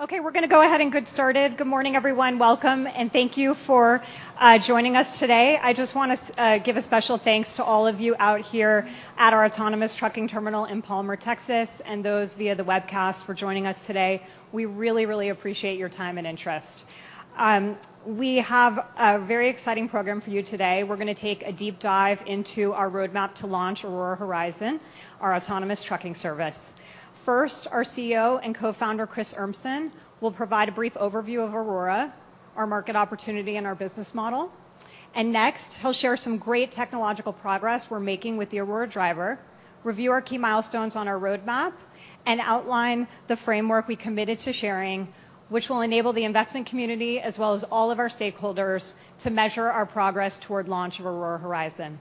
Okay, we're gonna go ahead and get started. Good morning, everyone. Welcome and thank you for joining us today. I just wanna give a special thanks to all of you out here at our autonomous trucking terminal in Palmer, Texas, and those via the webcast for joining us today. We really, really appreciate your time and interest. We have a very exciting program for you today. We're gonna take a deep dive into our roadmap to launch Aurora Horizon, our autonomous trucking service. First, our CEO and Co-Founder, Chris Urmson, will provide a brief overview of Aurora, our market opportunity, and our business model. Next, he'll share some great technological progress we're making with the Aurora Driver, review our key milestones on our roadmap, and outline the framework we committed to sharing, which will enable the investment community as well as all of our stakeholders to measure our progress toward launch of Aurora Horizon.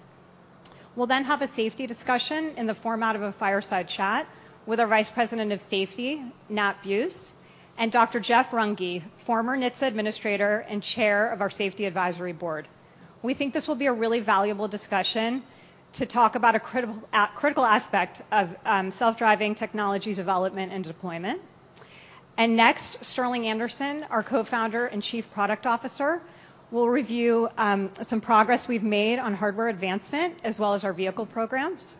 We'll then have a safety discussion in the format of a fireside chat with our Vice President of Safety, Nat Beuse, and Dr. Jeff Runge, former NHTSA Administrator and Chair of our Safety Advisory Board. We think this will be a really valuable discussion to talk about a critical aspect of self-driving technology development and deployment. Next, Sterling Anderson, our Co-Founder and Chief Product Officer, will review some progress we've made on hardware advancement as well as our vehicle programs.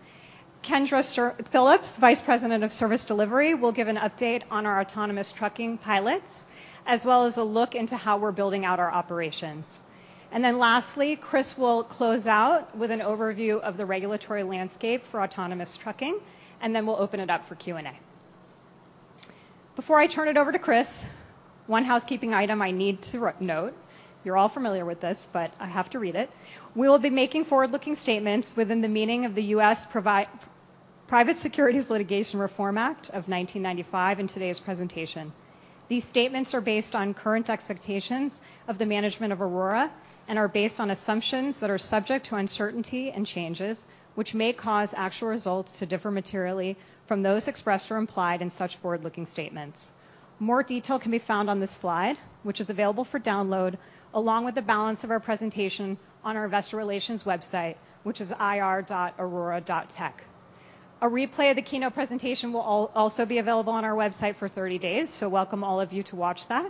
Kendra Phillips, Vice President of Service Delivery, will give an update on our autonomous trucking pilots, as well as a look into how we're building out our operations. Lastly, Chris Urmson will close out with an overview of the regulatory landscape for autonomous trucking, and then we'll open it up for Q&A. Before I turn it over to Chris Urmson, one housekeeping item I need to note. You're all familiar with this, but I have to read it. We will be making forward-looking statements within the meaning of the U.S. Private Securities Litigation Reform Act of 1995 in today's presentation. These statements are based on current expectations of the management of Aurora and are based on assumptions that are subject to uncertainty and changes, which may cause actual results to differ materially from those expressed or implied in such forward-looking statements. More detail can be found on this slide, which is available for download along with the balance of our presentation on our investor relations website, which is ir.aurora.tech. A replay of the keynote presentation will also be available on our website for 30 days, so welcome all of you to watch that.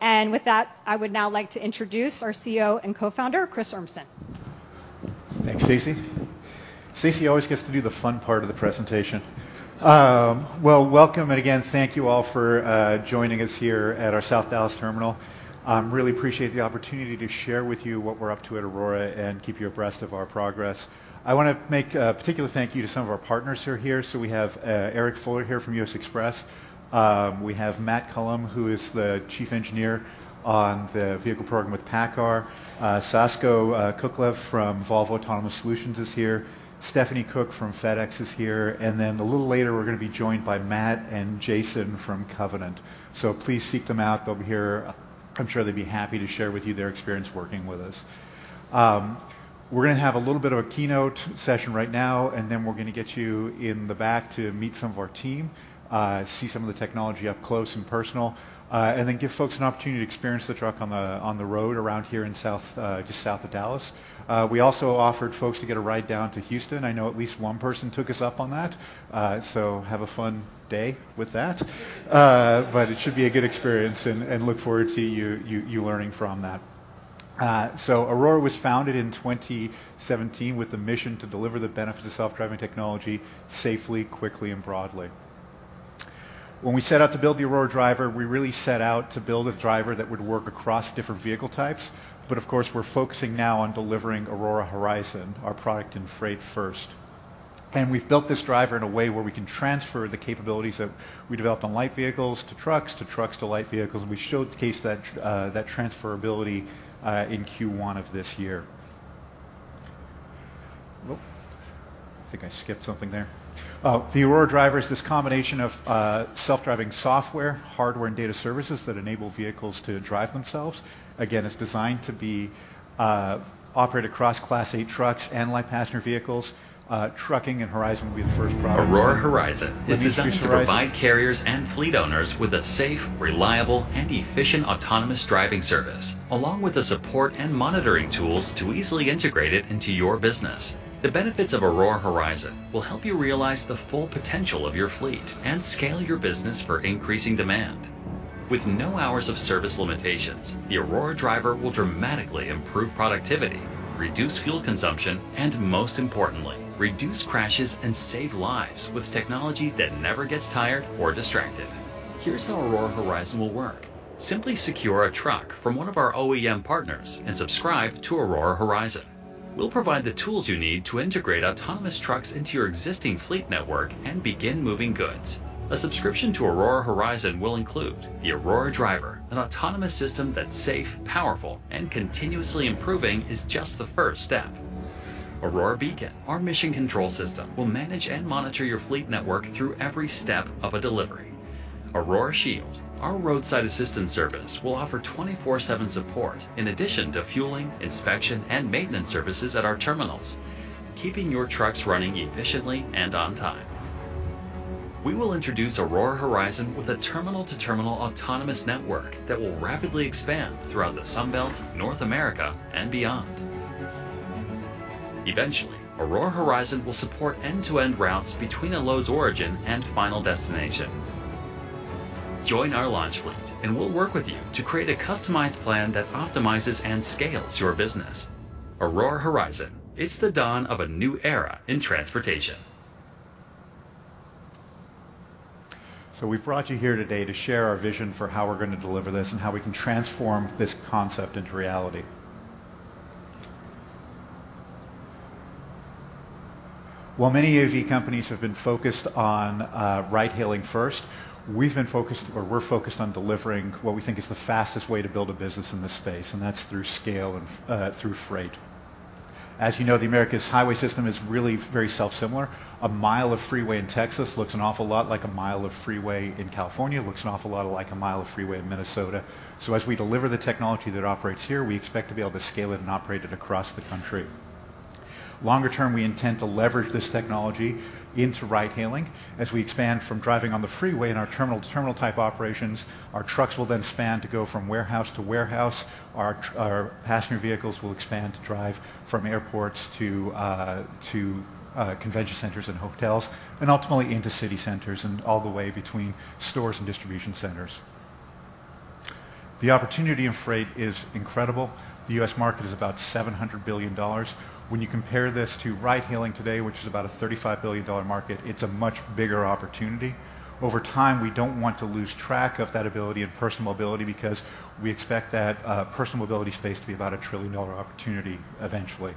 With that, I would now like to introduce our CEO and co-founder, Chris Urmson. Thanks, Stacy. Stacy always gets to do the fun part of the presentation. Well, welcome and again thank you all for joining us here at our South Dallas terminal. Really appreciate the opportunity to share with you what we're up to at Aurora and keep you abreast of our progress. I wanna make a particular thank you to some of our partners who are here. We have Eric Fuller here from U.S. Xpress. We have Matt Cullum, who is the Chief Engineer on the vehicle program with PACCAR. Sasko Cuklev from Volvo Autonomous Solutions is here. Stephanie Cook from FedEx is here. A little later, we're gonna be joined by Matt and Jason from Covenant. Please seek them out. They'll be here. I'm sure they'd be happy to share with you their experience working with us. We're gonna have a little bit of a keynote session right now, and then we're gonna get you in the back to meet some of our team, see some of the technology up close and personal, and then give folks an opportunity to experience the truck on the road around here in South, just south of Dallas. We also offered folks to get a ride down to Houston. I know at least one person took us up on that. Have a fun day with that. It should be a good experience and look forward to you learning from that. Aurora was founded in 2017 with the mission to deliver the benefits of self-driving technology safely, quickly, and broadly. When we set out to build the Aurora Driver, we really set out to build a driver that would work across different vehicle types. Of course, we're focusing now on delivering Aurora Horizon, our product in freight first. We've built this driver in a way where we can transfer the capabilities that we developed on light vehicles to trucks to light vehicles. We showed that transferability in Q1 of this year. I think I skipped something there. The Aurora Driver is this combination of self-driving software, hardware, and data services that enable vehicles to drive themselves. Again, it's designed to operate across Class 8 trucks and light passenger vehicles. Trucking and Horizon will be the first product. Aurora Horizon was designed to provide carriers and fleet owners with a safe, reliable, and efficient autonomous driving service along with the support and monitoring tools to easily integrate it into your business. The benefits of Aurora Horizon will help you realize the full potential of your fleet and scale your business for increasing demand. With no hours of service limitations, the Aurora Driver will dramatically improve productivity, reduce fuel consumption, and most importantly, reduce crashes and save lives with technology that never gets tired or distracted. Here's how Aurora Horizon will work. Simply secure a truck from one of our OEM partners and subscribe to Aurora Horizon. We'll provide the tools you need to integrate autonomous trucks into your existing fleet network and begin moving goods. A subscription to Aurora Horizon will include the Aurora Driver, an autonomous system that's safe, powerful, and continuously improving, is just the first step. Aurora Beacon, our mission control system, will manage and monitor your fleet network through every step of a delivery. Aurora Shield, our roadside assistance service, will offer 24/7 support in addition to fueling, inspection, and maintenance services at our terminals, keeping your trucks running efficiently and on time. We will introduce Aurora Horizon with a terminal-to-terminal autonomous network that will rapidly expand throughout the Sun Belt, North America, and beyond. Eventually, Aurora Horizon will support end-to-end routes between a load's origin and final destination. Join our launch fleet, and we'll work with you to create a customized plan that optimizes and scales your business. Aurora Horizon, it's the dawn of a new era in transportation. We've brought you here today to share our vision for how we're going to deliver this and how we can transform this concept into reality. While many AV companies have been focused on ride-hailing first, we've been focused or we're focused on delivering what we think is the fastest way to build a business in this space, and that's through scale and through freight. As you know, America's highway system is really very self-similar. A mile of freeway in Texas looks an awful lot like a mile of freeway in California, looks an awful lot like a mile of freeway in Minnesota. As we deliver the technology that operates here, we expect to be able to scale it and operate it across the country. Longer term, we intend to leverage this technology into ride-hailing. As we expand from driving on the freeway in our terminal-to-terminal type operations, our trucks will then expand to go from warehouse to warehouse. Our passenger vehicles will expand to drive from airports to convention centers and hotels and ultimately into city centers and all the way between stores and distribution centers. The opportunity in freight is incredible. The U.S. market is about $700 billion. When you compare this to ride-hailing today, which is about a $35 billion market, it's a much bigger opportunity. Over time, we don't want to lose track of that ability and personal mobility because we expect that personal mobility space to be about a $1 trillion opportunity eventually.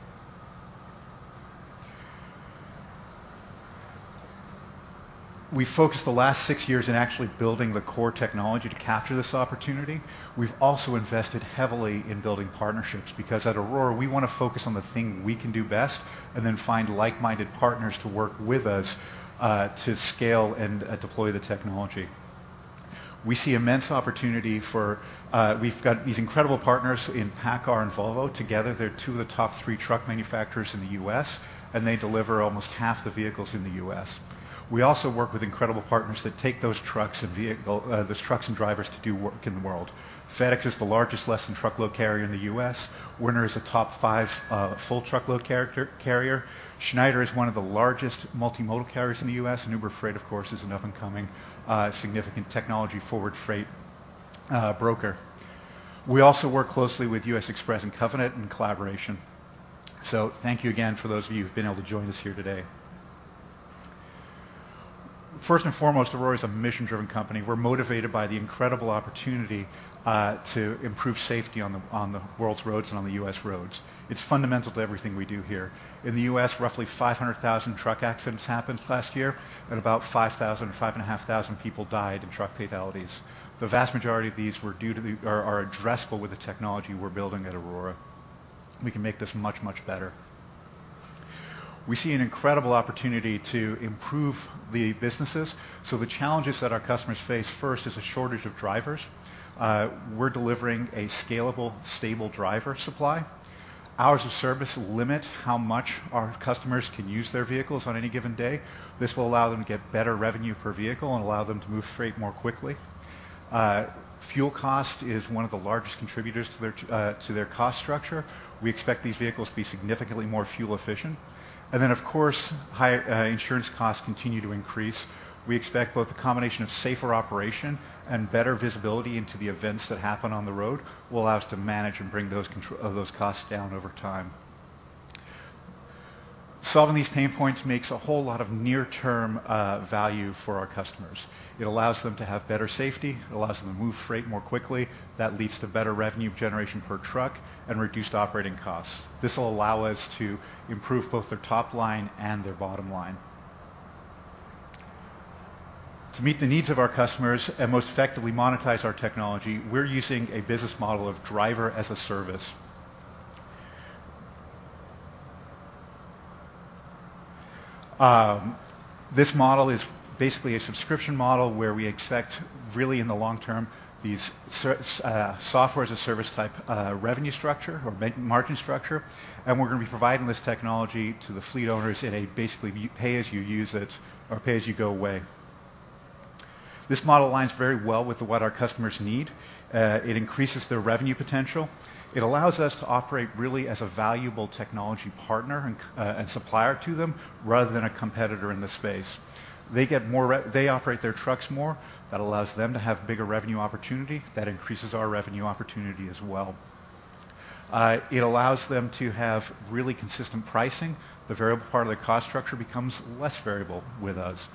We focused the last six years in actually building the core technology to capture this opportunity. We've also invested heavily in building partnerships because at Aurora, we want to focus on the thing we can do best and then find like-minded partners to work with us to scale and deploy the technology. We see immense opportunity. We've got these incredible partners in PACCAR and Volvo. Together, they're two of the top three truck manufacturers in the U.S., and they deliver almost half the vehicles in the U.S. We also work with incredible partners that take those trucks and drivers to do work in the world. FedEx is the largest less-than-truckload carrier in the U.S. Werner is a top five full truckload carrier. Schneider is one of the largest multimodal carriers in the U.S. Uber Freight, of course, is an up-and-coming significant technology-forward freight broker. We also work closely with U.S. Xpress and Covenant in collaboration. Thank you again for those of you who've been able to join us here today. First and foremost, Aurora is a mission-driven company. We're motivated by the incredible opportunity to improve safety on the world's roads and on the U.S. roads. It's fundamental to everything we do here. In the U.S., roughly 500,000 truck accidents happened last year, and about 5,000-5,500 people died in truck fatalities. The vast majority of these are addressable with the technology we're building at Aurora. We can make this much, much better. We see an incredible opportunity to improve the businesses. The challenges that our customers face first is a shortage of drivers. We're delivering a scalable, stable driver supply. Hours of service limit how much our customers can use their vehicles on any given day. This will allow them to get better revenue per vehicle and allow them to move freight more quickly. Fuel cost is one of the largest contributors to their cost structure. We expect these vehicles to be significantly more fuel efficient. Of course, higher insurance costs continue to increase. We expect both a combination of safer operation and better visibility into the events that happen on the road will allow us to manage and bring those costs down over time. Solving these pain points makes a whole lot of near-term value for our customers. It allows them to have better safety. It allows them to move freight more quickly. That leads to better revenue generation per truck and reduced operating costs. This will allow us to improve both their top line and their bottom line. To meet the needs of our customers and most effectively monetize our technology, we're using a business model of driver as a service. This model is basically a subscription model where we expect really in the long term these software as a service type revenue structure or margin structure. We're gonna be providing this technology to the fleet owners in a basically you pay as you use it or pay as you go way. This model aligns very well with what our customers need. It increases their revenue potential. It allows us to operate really as a valuable technology partner and supplier to them rather than a competitor in the space. They operate their trucks more. That allows them to have bigger revenue opportunity. That increases our revenue opportunity as well. It allows them to have really consistent pricing. The variable part of the cost structure becomes less variable with us.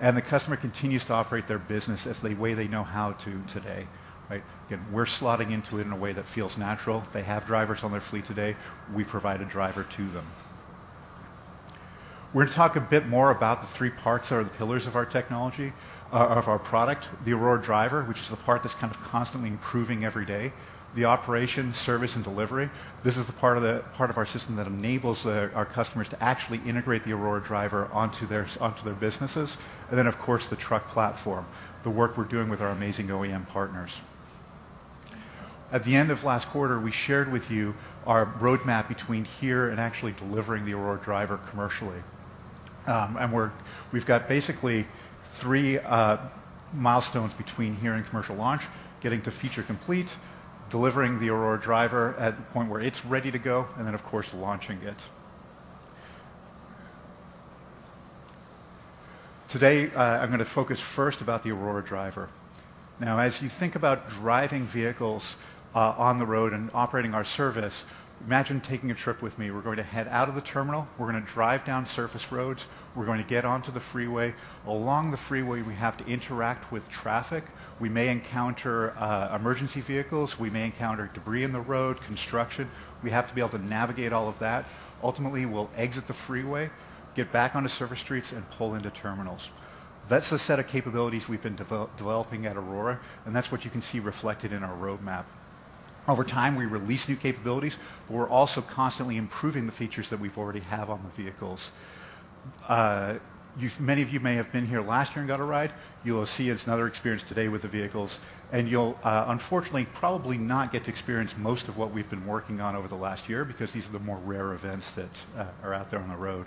The customer continues to operate their business as the way they know how to today, right? Again, we're slotting into it in a way that feels natural. They have drivers on their fleet today. We provide a driver to them. We're gonna talk a bit more about the three parts or the pillars of our technology, of our product, the Aurora Driver, which is the part that's kind of constantly improving every day. The operations, service, and delivery. This is the part of our system that enables our customers to actually integrate the Aurora Driver onto their businesses. Then, of course, the truck platform, the work we're doing with our amazing OEM partners. At the end of last quarter, we shared with you our roadmap between here and actually delivering the Aurora Driver commercially. We've got basically three milestones between here and commercial launch: getting to feature complete, delivering the Aurora Driver at the point where it's ready to go, and then, of course, launching it. Today, I'm gonna focus first about the Aurora Driver. Now, as you think about driving vehicles on the road and operating our service, imagine taking a trip with me. We're going to head out of the terminal. We're gonna drive down surface roads. We're going to get onto the freeway. Along the freeway, we have to interact with traffic. We may encounter emergency vehicles. We may encounter debris in the road, construction. We have to be able to navigate all of that. Ultimately, we'll exit the freeway, get back onto surface streets, and pull into terminals. That's the set of capabilities we've been developing at Aurora, and that's what you can see reflected in our roadmap. Over time, we release new capabilities, but we're also constantly improving the features that we've already have on the vehicles. Many of you may have been here last year and got a ride. You'll see it's another experience today with the vehicles, and you'll unfortunately probably not get to experience most of what we've been working on over the last year because these are the more rare events that are out there on the road.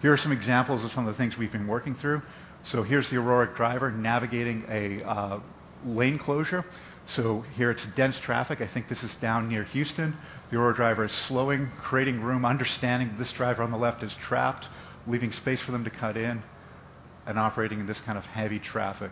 Here are some examples of some of the things we've been working through. Here's the Aurora Driver navigating a lane closure. Here it's dense traffic. I think this is down near Houston. The Aurora Driver is slowing, creating room, understanding this driver on the left is trapped, leaving space for them to cut in, and operating in this kind of heavy traffic.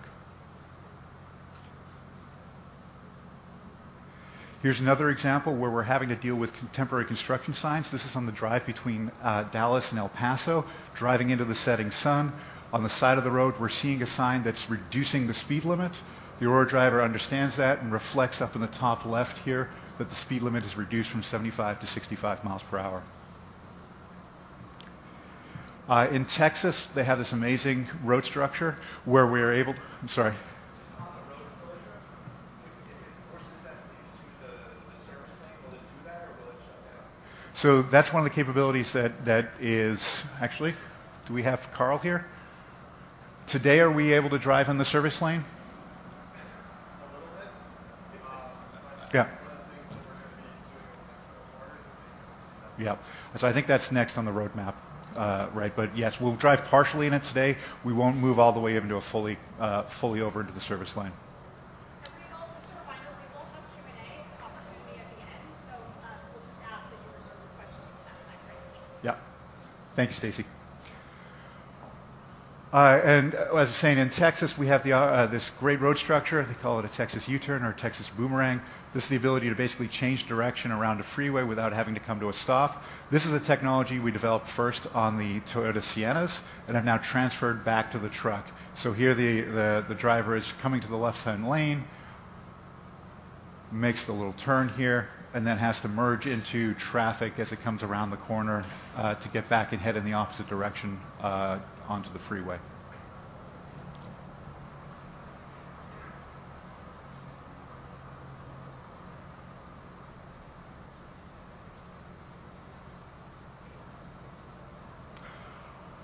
Here's another example where we're having to deal with contemporary construction signs. This is on the drive between Dallas and El Paso, driving into the setting sun. On the side of the road, we're seeing a sign that's reducing the speed limit. The Aurora Driver understands that and reflects up in the top left here that the speed limit is reduced from 75 to 65 mi per hour. In Texas, they have this amazing road structure. Just on the road closure, if it forces that into the service lane, will it do that, or will it shut down? That's one of the capabilities that is. Actually, do we have Carl here? Today, are we able to drive in the service lane? A little bit. Yeah. One of the things that we're gonna be doing is we're gonna hard code that. Yeah. I think that's next on the roadmap. Right. Yes, we'll drive partially in it today. We won't move all the way into a fully over into the service lane. Everybody, this is just a reminder, we will have Q&A opportunity at the end. We'll just ask that you reserve your questions for that time frame, please. Yeah. Thank you, Stacy. As I was saying, in Texas, we have this great road structure. They call it a Texas U-turn or Texas boomerang. This is the ability to basically change direction around a freeway without having to come to a stop. This is a technology we developed first on the Toyota Siennas and have now transferred back to the truck. Here the driver is coming to the left-hand lane, makes the little turn here, and then has to merge into traffic as it comes around the corner to get back and head in the opposite direction onto the freeway.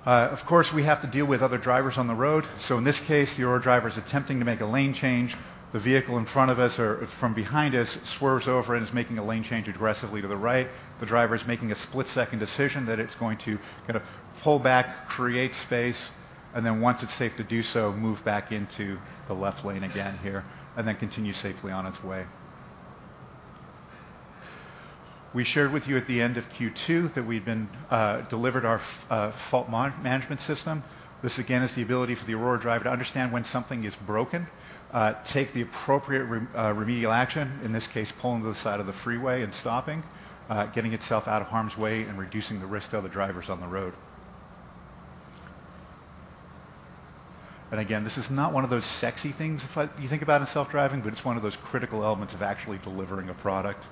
Of course, we have to deal with other drivers on the road. In this case, the Aurora Driver's attempting to make a lane change. The vehicle in front of us, or from behind us, swerves over and is making a lane change aggressively to the right. The driver is making a split-second decision that it's going to kind of pull back, create space, and then once it's safe to do so, move back into the left lane again here and then continue safely on its way. We shared with you at the end of Q2 that we'd delivered our Fault Management System. This, again, is the ability for the Aurora Driver to understand when something is broken, take the appropriate remedial action, in this case, pulling to the side of the freeway and stopping, getting itself out of harm's way, and reducing the risk to other drivers on the road. This is not one of those sexy things if you think about in self-driving, but it's one of those critical elements of actually delivering a product.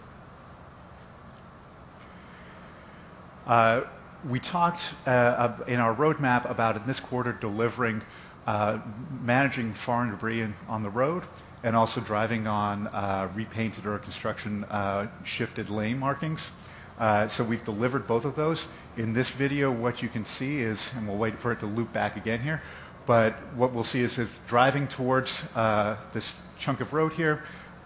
We talked in our roadmap about in this quarter delivering managing foreign debris on the road and also driving on repainted or construction shifted lane markings. We've delivered both of those. In this video, what you can see is, we'll wait for it to loop back again here, but what we'll see is it's driving towards this chunk of road here.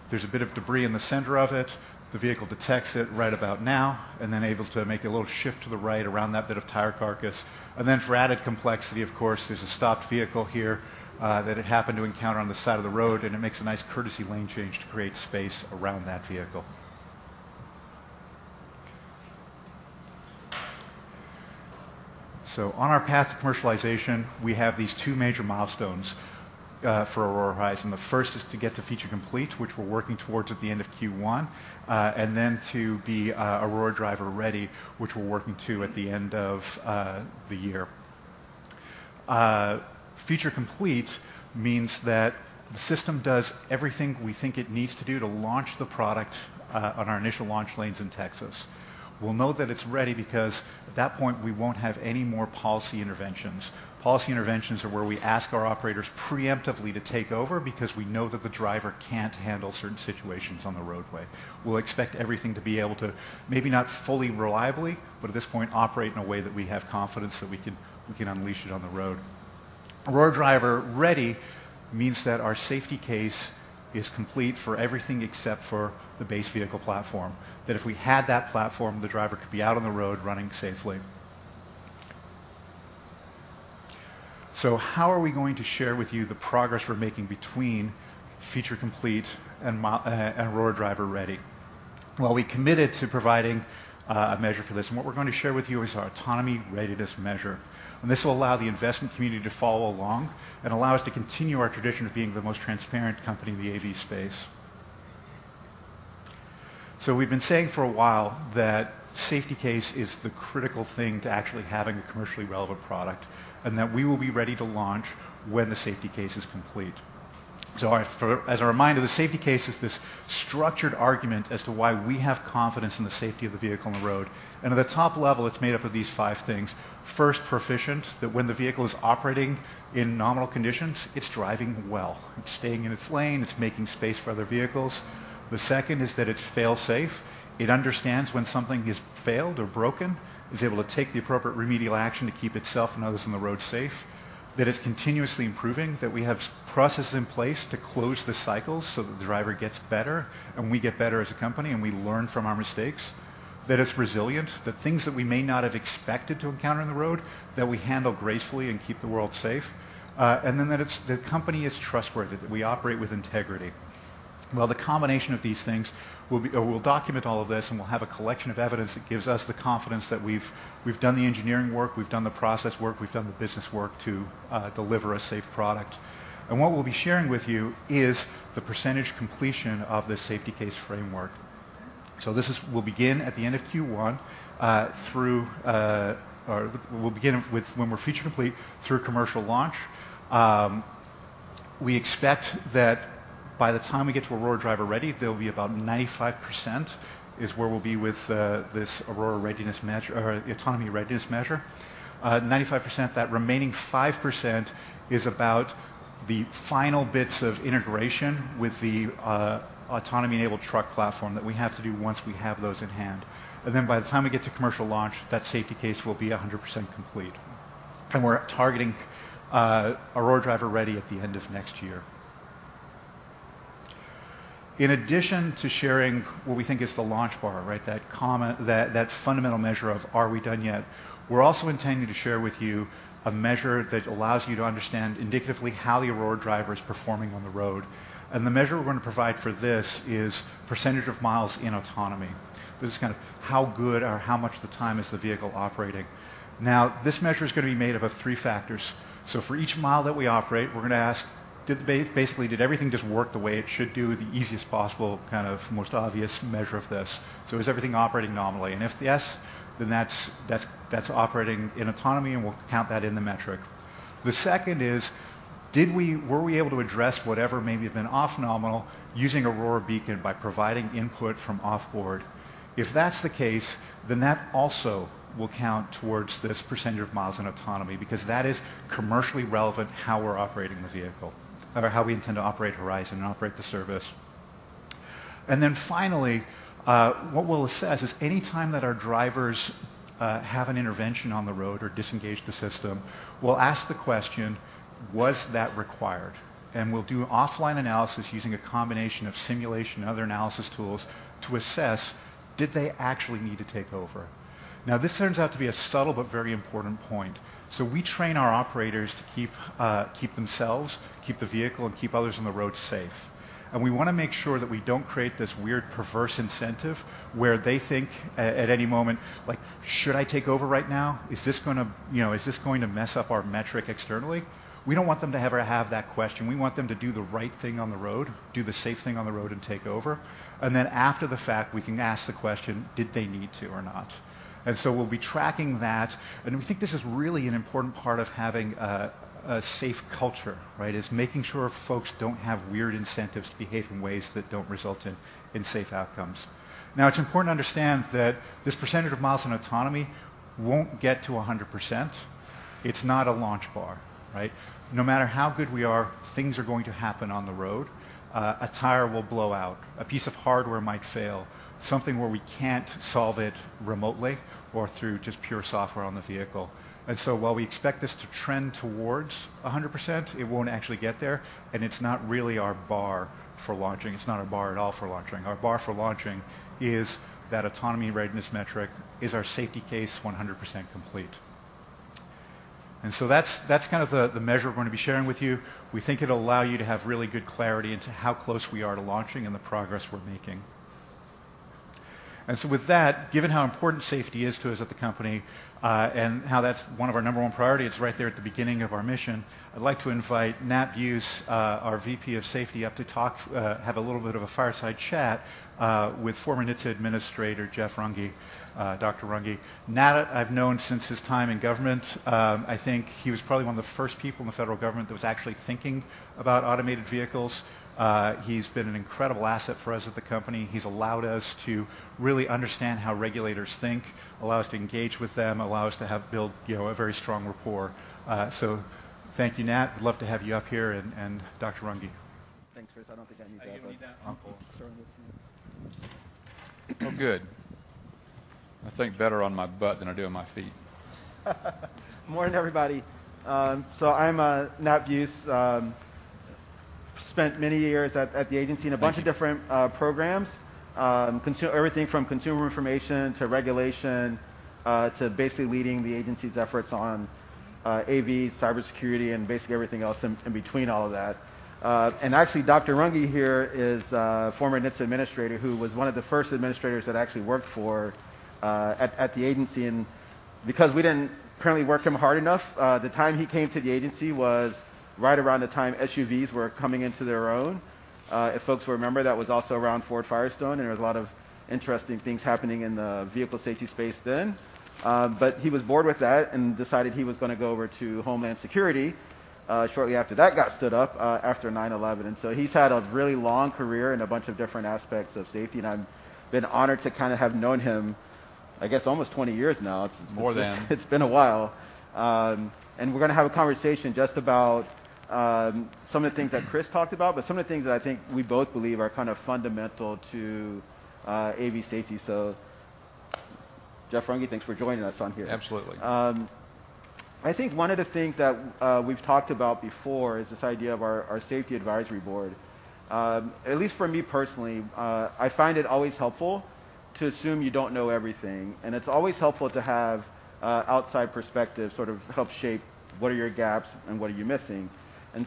There's a bit of debris in the center of it. The vehicle detects it right about now and then able to make a little shift to the right around that bit of tire carcass. For added complexity, of course, there's a stopped vehicle here, that it happened to encounter on the side of the road, and it makes a nice courtesy lane change to create space around that vehicle. On our path to commercialization, we have these two major milestones, for Aurora Horizon. The first is to get to feature complete, which we're working towards at the end of Q1, and then to be, Aurora Driver ready, which we're working to at the end of, the year. Feature complete means that the system does everything we think it needs to do to launch the product, on our initial launch lanes in Texas. We'll know that it's ready because at that point, we won't have any more policy interventions. Policy interventions are where we ask our operators preemptively to take over because we know that the driver can't handle certain situations on the roadway. We'll expect everything to be able to, maybe not fully reliably, but at this point, operate in a way that we have confidence that we can unleash it on the road. Aurora Driver Ready means that our safety case is complete for everything except for the base vehicle platform. That if we had that platform, the driver could be out on the road running safely. How are we going to share with you the progress we're making between feature complete and Aurora Driver Ready? Well, we committed to providing a measure for this, and what we're gonna share with you is our Autonomy Readiness Measure. This will allow the investment community to follow along and allow us to continue our tradition of being the most transparent company in the AV space. We've been saying for a while that safety case is the critical thing to actually having a commercially relevant product, and that we will be ready to launch when the safety case is complete. As a reminder, the safety case is this structured argument as to why we have confidence in the safety of the vehicle on the road. At the top level, it's made up of these five things. First, proficient, that when the vehicle is operating in nominal conditions, it's driving well. It's staying in its lane. It's making space for other vehicles. The second is that it's fail-safe. It understands when something is failed or broken, is able to take the appropriate remedial action to keep itself and others on the road safe. That it's continuously improving, that we have processes in place to close the cycle so that the driver gets better, and we get better as a company, and we learn from our mistakes. That it's resilient, the things that we may not have expected to encounter on the road, that we handle gracefully and keep the world safe. Well, that it's the company is trustworthy, that we operate with integrity. The combination of these things will be. We'll document all of this, and we'll have a collection of evidence that gives us the confidence that we've done the engineering work, we've done the process work, we've done the business work to deliver a safe product. What we'll be sharing with you is the percentage completion of this safety case framework. We'll begin with when we're feature complete through commercial launch. We expect that by the time we get to Aurora Driver ready, there'll be about 95% is where we'll be with this autonomy readiness measure. 95%. That remaining 5% is about the final bits of integration with the autonomy-enabled truck platform that we have to do once we have those in hand. Then by the time we get to commercial launch, that safety case will be 100% complete. We're targeting Aurora Driver ready at the end of next year. In addition to sharing what we think is the launch bar, right? That fundamental measure of, are we done yet? We're also intending to share with you a measure that allows you to understand indicatively how the Aurora Driver is performing on the road. The measure we're gonna provide for this is percentage of miles in autonomy. This is kind of how good or how much of the time is the vehicle operating. Now, this measure is gonna be made up of three factors. For each mile that we operate, we're gonna ask, basically, did everything just work the way it should do, the easiest possible, kind of most obvious measure of this. Is everything operating nominally? If yes, then that's operating in autonomy, and we'll count that in the metric. The second is, did we... Were we able to address whatever maybe has been off nominal using Aurora Beacon by providing input from off-board? If that's the case, then that also will count towards this percentage of miles in autonomy because that is commercially relevant how we're operating the vehicle or how we intend to operate Aurora Horizon and operate the service. Then finally, what we'll assess is any time that our drivers have an intervention on the road or disengage the system, we'll ask the question, was that required? We'll do offline analysis using a combination of simulation and other analysis tools to assess, did they actually need to take over? Now, this turns out to be a subtle but very important point. We train our operators to keep themselves, the vehicle, and others on the road safe. We wanna make sure that we don't create this weird perverse incentive where they think at any moment, like, "Should I take over right now? Is this gonna, you know, is this going to mess up our metric externally?" We don't want them to ever have that question. We want them to do the right thing on the road, do the safe thing on the road and take over. After the fact, we can ask the question, did they need to or not? We'll be tracking that. We think this is really an important part of having a safe culture, right, is making sure folks don't have weird incentives to behave in ways that don't result in safe outcomes. Now, it's important to understand that this percentage of miles in autonomy won't get to 100%. It's not a launch bar, right? No matter how good we are, things are going to happen on the road. A tire will blow out. A piece of hardware might fail. Something where we can't solve it remotely or through just pure software on the vehicle. While we expect this to trend towards 100%, it won't actually get there. It's not really our bar for launching. It's not our bar at all for launching. Our bar for launching is that autonomy readiness metric. Is our safety case 100% complete? That's kind of the measure we're gonna be sharing with you. We think it'll allow you to have really good clarity into how close we are to launching and the progress we're making. With that, given how important safety is to us at the company, and how that's one of our number one priority, it's right there at the beginning of our mission, I'd like to invite Nat Beuse, our VP of Safety, up to talk, have a little bit of a fireside chat, with former NHTSA Administrator, Jeff Runge, Dr. Runge. Nat, I've known since his time in government. I think he was probably one of the first people in the federal government that was actually thinking about automated vehicles. He's been an incredible asset for us at the company. He's allowed us to really understand how regulators think, allow us to engage with them, allow us to have built, you know, a very strong rapport. So thank you, Nat. We'd love to have you up here and Dr. Runge. Thanks, Chris. I don't think I need that. You need that. Okay. Starting with me. Oh, good. I think better on my butt than I do on my feet. Morning, everybody. I'm Nat Beuse. Spent many years at the agency in a bunch of different programs, everything from consumer information to regulation, to basically leading the agency's efforts on AV cybersecurity and basically everything else in between all of that. Actually Dr. Runge here is a former NHTSA administrator who was one of the first administrators that I actually worked for at the agency. Because we didn't apparently work him hard enough, the time he came to the agency was right around the time SUVs were coming into their own. If folks remember, that was also around Ford Firestone, and there was a lot of interesting things happening in the vehicle safety space then. He was bored with that and decided he was gonna go over to Homeland Security, shortly after that got stood up, after 9/11. He's had a really long career in a bunch of different aspects of safety, and I've been honored to kind of have known him, I guess almost 20 years now. More than. It's been a while. We're gonna have a conversation just about some of the things that Chris talked about, but some of the things that I think we both believe are kind of fundamental to AV safety. Jeff Runge, thanks for joining us on here. Absolutely. I think one of the things that we've talked about before is this idea of our Safety Advisory Board. At least for me personally, I find it always helpful to assume you don't know everything, and it's always helpful to have outside perspective sort of help shape what are your gaps and what are you missing.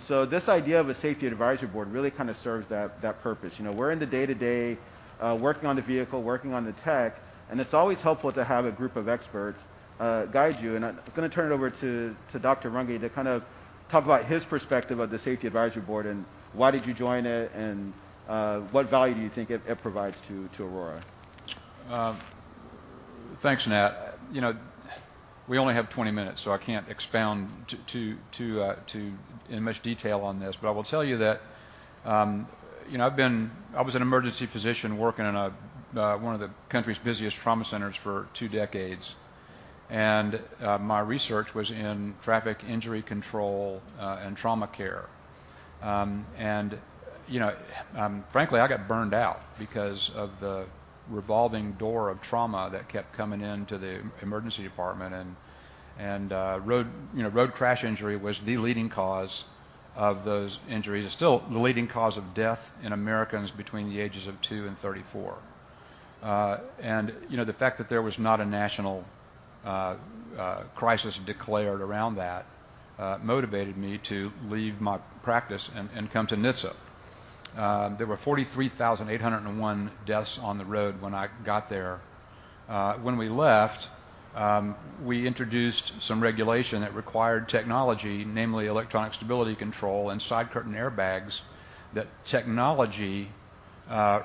This idea of a Safety Advisory Board really kind of serves that purpose. You know, we're in the day-to-day working on the vehicle, working on the tech, and it's always helpful to have a group of experts guide you. I'm gonna turn it over to Dr. Runge to kind of talk about his perspective of the Safety Advisory Board and why did you join it and what value do you think it provides to Aurora. Thanks, Nat. You know, we only have 20 minutes, so I can't expound to you in much detail on this. But I will tell you that, you know, I was an emergency physician working in one of the country's busiest trauma centers for two decades, and my research was in traffic injury control, and trauma care. You know, frankly, I got burned out because of the revolving door of trauma that kept coming into the emergency department, and road crash injury was the leading cause of those injuries. It's still the leading cause of death in Americans between the ages of two and 34. You know, the fact that there was not a national crisis declared around that motivated me to leave my practice and come to NHTSA. There were 43,801 deaths on the road when I got there. When we left, we introduced some regulation that required technology, namely electronic stability control and side curtain airbags. That technology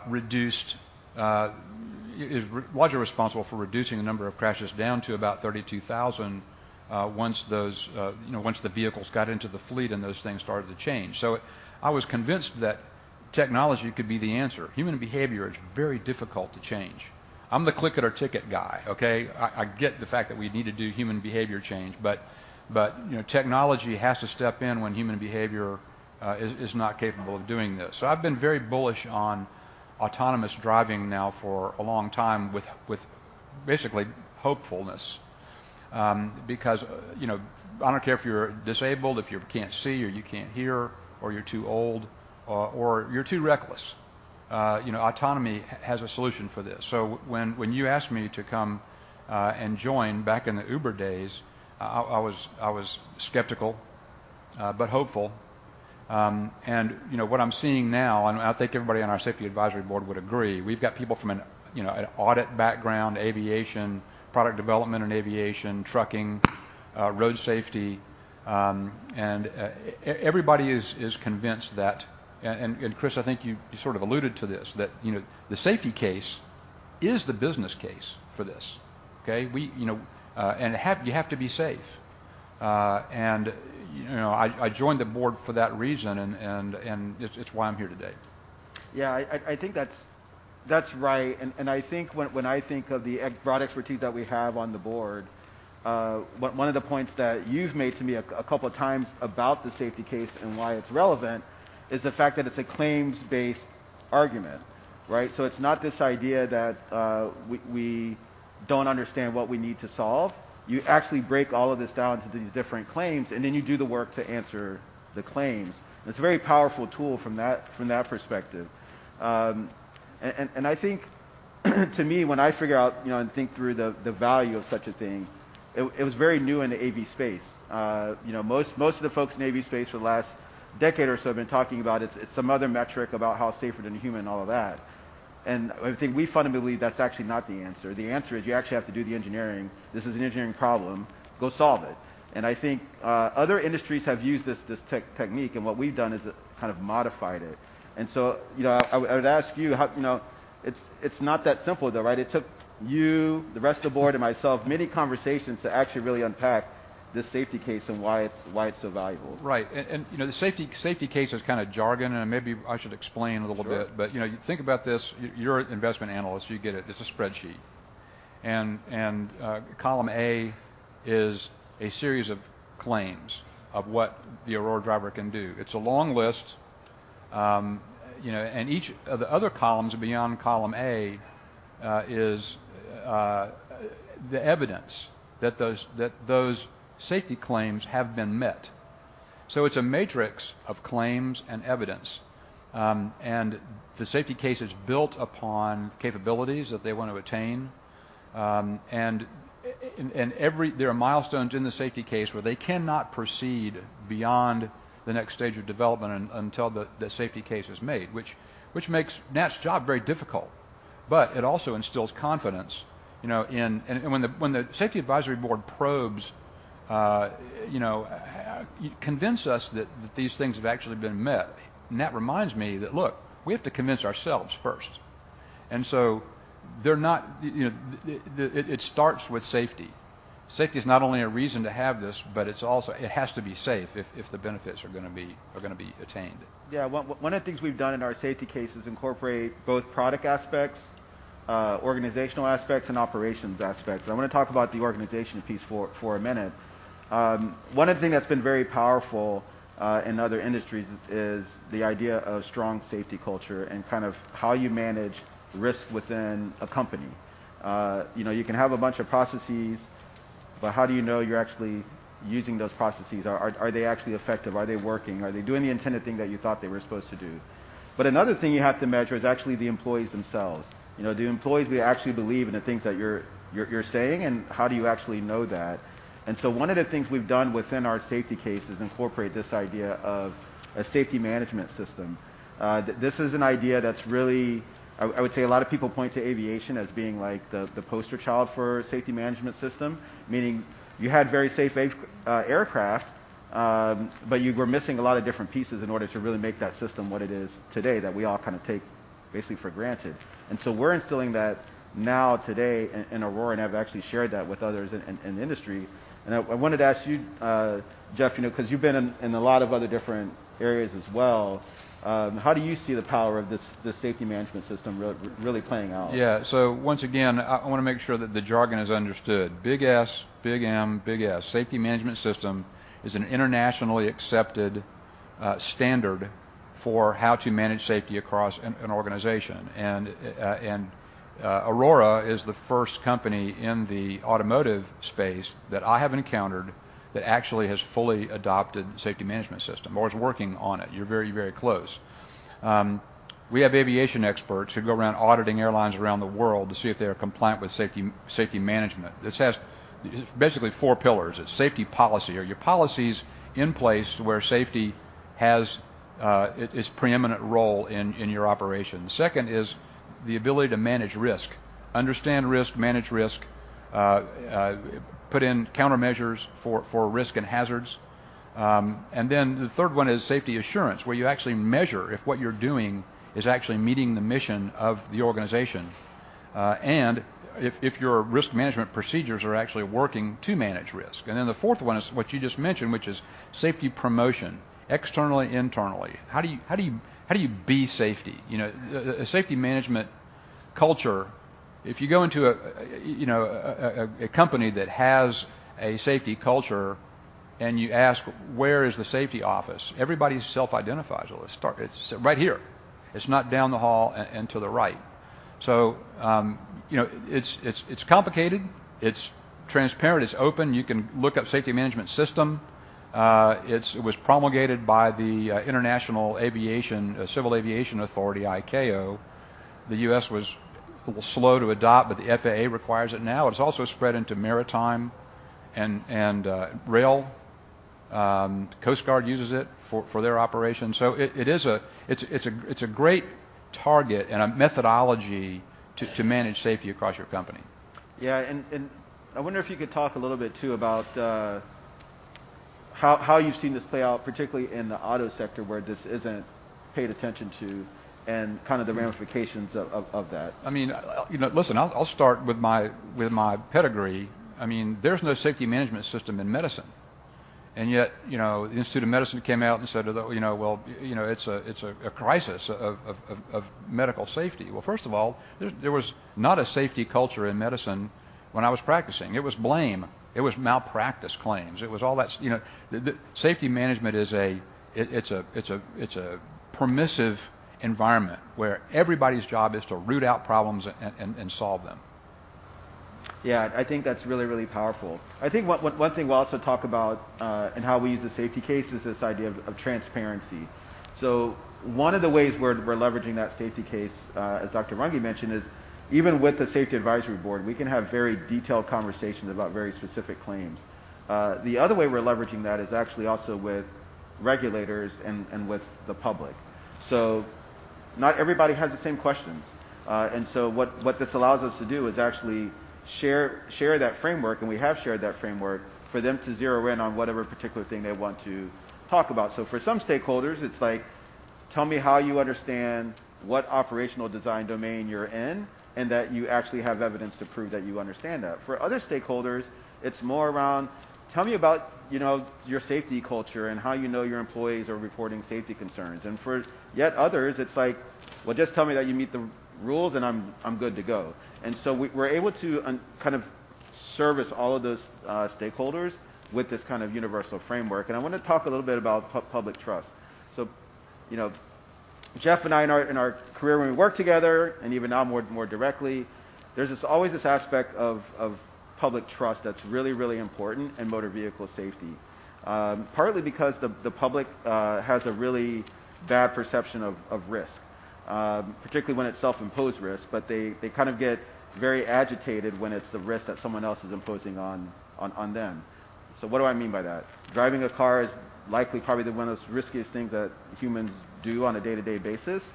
reduced was responsible for reducing the number of crashes down to about 32,000 once those you know once the vehicles got into the fleet and those things started to change. I was convinced that technology could be the answer. Human behavior is very difficult to change. I'm the click it or ticket guy, okay? I get the fact that we need to do human behavior change, but you know, technology has to step in when human behavior is not capable of doing this. I've been very bullish on autonomous driving now for a long time with basically hopefulness, because you know, I don't care if you're disabled, if you can't see or you can't hear or you're too old or you're too reckless, you know, autonomy has a solution for this. When you asked me to come and join back in the Uber days, I was skeptical, but hopeful. You know, what I'm seeing now, and I think everybody on our Safety Advisory Board would agree, we've got people from, you know, an audit background, aviation, product development in aviation, trucking, road safety, and everybody is convinced that, and Chris, I think you sort of alluded to this, that you know, the safety case is the business case for this, okay? We, you know, and it, you have to be safe. You know, I joined the board for that reason, and it's why I'm here today. Yeah, I think that's right. I think when I think of the broad expertise that we have on the board, one of the points that you've made to me a couple of times about the safety case and why it's relevant is the fact that it's a claims-based argument, right? It's not this idea that we don't understand what we need to solve. You actually break all of this down to these different claims, and then you do the work to answer the claims. It's a very powerful tool from that perspective. I think to me, when I figure out, you know, and think through the value of such a thing, it was very new in the AV space. You know, most of the folks in the AV space for the last decade or so have been talking about it's some other metric about how it's safer than a human and all of that. I think that's actually not the answer. The answer is you actually have to do the engineering. This is an engineering problem. Go solve it. I think other industries have used this technique, and what we've done is kind of modified it. You know, I would ask you how you know it's not that simple though, right? It took you, the rest of the board and myself many conversations to actually really unpack this safety case and why it's so valuable. Right. You know, the safety case is kind of jargon, and maybe I should explain a little bit. Sure. You know, think about this. You're an investment analyst. You get it. It's a spreadsheet. Column A is a series of claims of what the Aurora Driver can do. It's a long list. You know, and each of the other columns beyond column A is the evidence that those safety claims have been met. It's a matrix of claims and evidence. The safety case is built upon capabilities that they want to attain. There are milestones in the safety case where they cannot proceed beyond the next stage of development until the safety case is made, which makes Nat's job very difficult. It also instills confidence, you know, in. When the Safety Advisory Board probes, you know, have to convince us that these things have actually been met, Nat reminds me that, look, we have to convince ourselves first. They're not, you know. It starts with safety. Safety is not only a reason to have this, but it's also it has to be safe if the benefits are gonna be attained. Yeah. One of the things we've done in our safety case is incorporate both product aspects, organizational aspects, and operations aspects. I wanna talk about the organization piece for a minute. One of the thing that's been very powerful in other industries is the idea of strong safety culture and kind of how you manage risk within a company. You know, you can have a bunch of processes, but how do you know you're actually using those processes? Are they actually effective? Are they working? Are they doing the intended thing that you thought they were supposed to do? Another thing you have to measure is actually the employees themselves. You know, do employees actually believe in the things that you're saying, and how do you actually know that? One of the things we've done within our safety case is incorporate this idea of a Safety Management System. This is an idea that's really I would say a lot of people point to aviation as being the poster child for Safety Management System, meaning you had very safe aircraft, but you were missing a lot of different pieces in order to really make that system what it is today that we all kind of take basically for granted. We're instilling that now today in Aurora, and I've actually shared that with others in the industry. I wanted to ask you, Jeff, you know, 'cause you've been in a lot of other different areas as well, how do you see the power of this Safety Management System really playing out? Yeah. Once again, I wanna make sure that the jargon is understood. Big S, big M, big S. Safety Management System is an internationally accepted standard for how to manage safety across an organization. Aurora is the first company in the automotive space that I have encountered that actually has fully adopted Safety Management System or is working on it. You're very, very close. We have aviation experts who go around auditing airlines around the world to see if they are compliant with safety management. This has basically four pillars. It's safety policy. Are your policies in place where safety has its preeminent role in your operations? Second is the ability to manage risk. Understand risk, manage risk, put in countermeasures for risk and hazards. The third one is safety assurance, where you actually measure if what you're doing is actually meeting the mission of the organization, and if your risk management procedures are actually working to manage risk. The fourth one is what you just mentioned, which is safety promotion, externally, internally. How do you be safety? You know, a safety management culture, if you go into a company that has a safety culture and you ask, "Where is the safety office?" Everybody self-identifies. Well, let's start. It's right here. It's not down the hall and to the right. You know, it's complicated. It's transparent. It's open. You can look up Safety Management System. It was promulgated by the International Civil Aviation Organization, ICAO. The U.S. was slow to adopt, but the FAA requires it now. It's also spread into maritime and rail. Coast Guard uses it for their operations. It is a great target and a methodology to manage safety across your company. Yeah. I wonder if you could talk a little bit too about how you've seen this play out, particularly in the auto sector where this isn't paid attention to, and kind of the ramifications of that. I mean, you know, listen, I'll start with my pedigree. I mean, there's no Safety Management System in medicine. Yet, you know, the Institute of Medicine came out and said, you know, "Well, you know, it's a crisis of medical safety." Well, first of all, there was not a safety culture in medicine when I was practicing. It was blame. It was malpractice claims. It was all that. You know, the safety management is a permissive environment where everybody's job is to root out problems and solve them. Yeah. I think that's really, really powerful. I think one thing we'll also talk about in how we use the safety case is this idea of transparency. One of the ways we're leveraging that safety case, as Dr. Runge mentioned, is even with the Safety Advisory Board, we can have very detailed conversations about very specific claims. The other way we're leveraging that is actually also with regulators and with the public. Not everybody has the same questions. What this allows us to do is actually share that framework, and we have shared that framework, for them to zero in on whatever particular thing they want to talk about. For some stakeholders, it's like, "Tell me how you understand what operational design domain you're in, and that you actually have evidence to prove that you understand that." For other stakeholders, it's more around, "Tell me about, you know, your safety culture and how you know your employees are reporting safety concerns." For yet others, it's like, "Well, just tell me that you meet the rules, and I'm good to go." We're able to kind of service all of those stakeholders with this kind of universal framework. I wanna talk a little bit about public trust. You know, Jeff and I in our career when we worked together and even now more directly, there's always this aspect of public trust that's really important in motor vehicle safety. Partly because the public has a really bad perception of risk, particularly when it's self-imposed risk, but they kind of get very agitated when it's the risk that someone else is imposing on them. What do I mean by that? Driving a car is likely probably the one of the riskiest things that humans do on a day-to-day basis,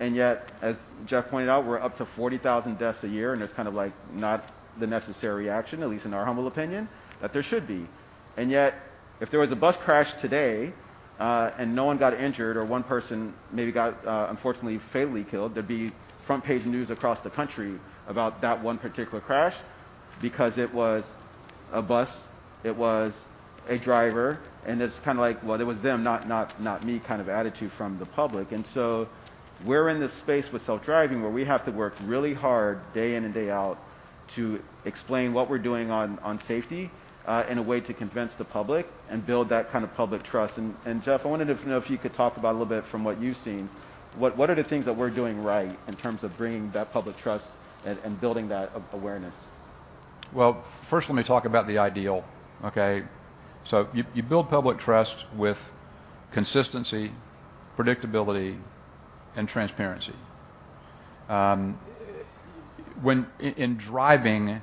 and yet, as Jeff pointed out, we're up to 40,000 deaths a year, and it's kind of like not the necessary action, at least in our humble opinion, that there should be. Yet, if there was a bus crash today, and no one got injured or one person maybe got, unfortunately fatally killed, there'd be front page news across the country about that one particular crash because it was a bus, it was a driver, and it's kinda like, well, it was them, not me kind of attitude from the public. We're in this space with self-driving where we have to work really hard day in and day out to explain what we're doing on safety, in a way to convince the public and build that kind of public trust. Jeff, I wanted to know if you could talk about a little bit from what you've seen, what are the things that we're doing right in terms of bringing that public trust and building that awareness? Well, first let me talk about the ideal, okay? You build public trust with consistency, predictability, and transparency. When in driving,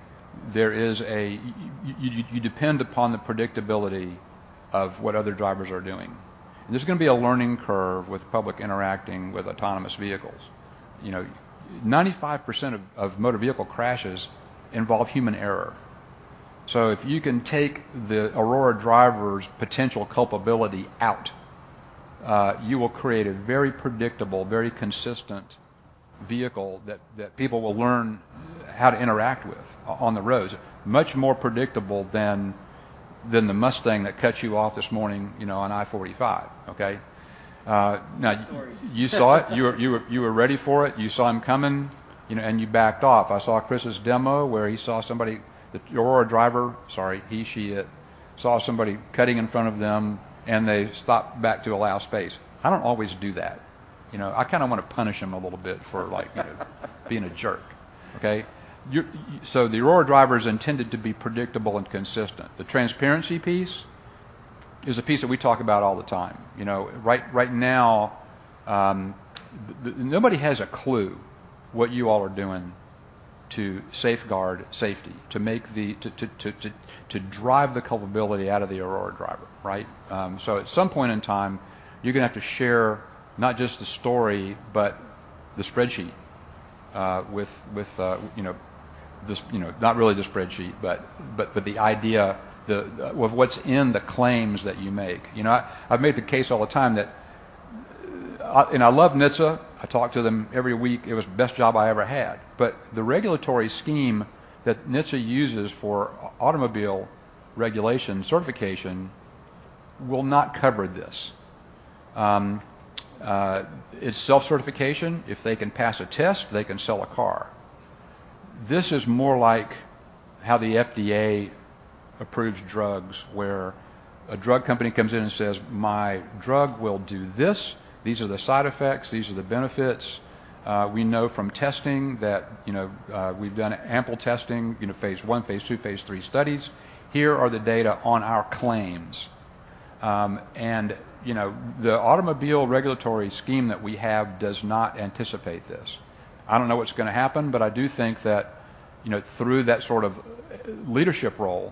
there is a... You depend upon the predictability of what other drivers are doing. There's gonna be a learning curve with public interacting with autonomous vehicles. You know, 95% of motor vehicle crashes involve human error. If you can take the Aurora Driver's potential culpability out, you will create a very predictable, very consistent vehicle that people will learn how to interact with on the roads. Much more predictable than the Mustang that cut you off this morning, you know, on I-45, okay? Now, you saw it. You were ready for it. You saw him coming, you know, and you backed off. I saw Chris's demo where he saw somebody, the Aurora Driver, sorry, he, she, it, saw somebody cutting in front of them, and they stopped back to allow space. I don't always do that, you know. I kinda wanna punish him a little bit for like, you know, being a jerk, okay? The Aurora Driver's intended to be predictable and consistent. The transparency piece is a piece that we talk about all the time. You know, right now, nobody has a clue what you all are doing to safeguard safety, to make the to drive the culpability out of the Aurora Driver, right? At some point in time, you're gonna have to share not just the story, but the spreadsheet with you know, not really the spreadsheet, but the idea of what's in the claims that you make. You know, I've made the case all the time that I love NHTSA. I talk to them every week. It was the best job I ever had. The regulatory scheme that NHTSA uses for automobile regulation certification will not cover this. It's self-certification. If they can pass a test, they can sell a car. This is more like how the FDA approves drugs where a drug company comes in and says, "My drug will do this. These are the side effects. These are the benefits. We know from testing that, you know, we've done ample testing, you know, phase I, phase II, phase III studies. Here are the data on our claims." The automobile regulatory scheme that we have does not anticipate this. I don't know what's gonna happen, but I do think that, you know, through that sort of leadership role,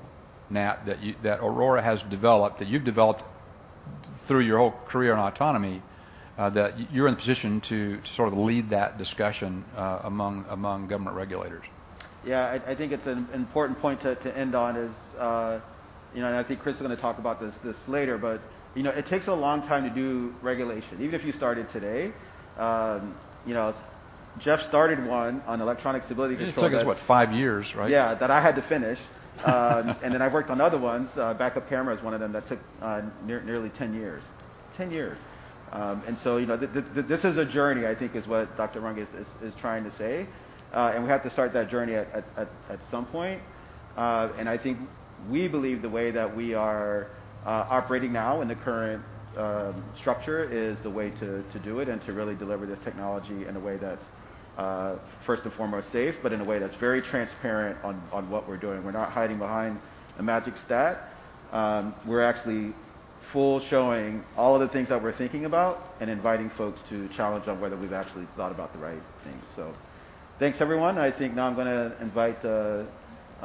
Nat, that Aurora has developed, that you've developed through your whole career in autonomy, that you're in position to sort of lead that discussion among government regulators. Yeah. I think it's an important point to end on is, you know, and I think Chris is gonna talk about this later, but you know, it takes a long time to do regulation. Even if you started today, you know, Jeff started one on electronic stability control that. It took us, what, five years, right? Yeah. That I had to finish. I've worked on other ones, backup camera is one of them that took nearly 10 years. 10 years. You know, this is a journey, I think is what Dr. Runge is trying to say. We have to start that journey at some point. I think we believe the way that we are operating now in the current structure is the way to do it and to really deliver this technology in a way that's first and foremost safe, but in a way that's very transparent on what we're doing. We're not hiding behind a magic stat. We're actually fully showing all of the things that we're thinking about and inviting folks to challenge on whether we've actually thought about the right things. Thanks, everyone. I think now I'm gonna invite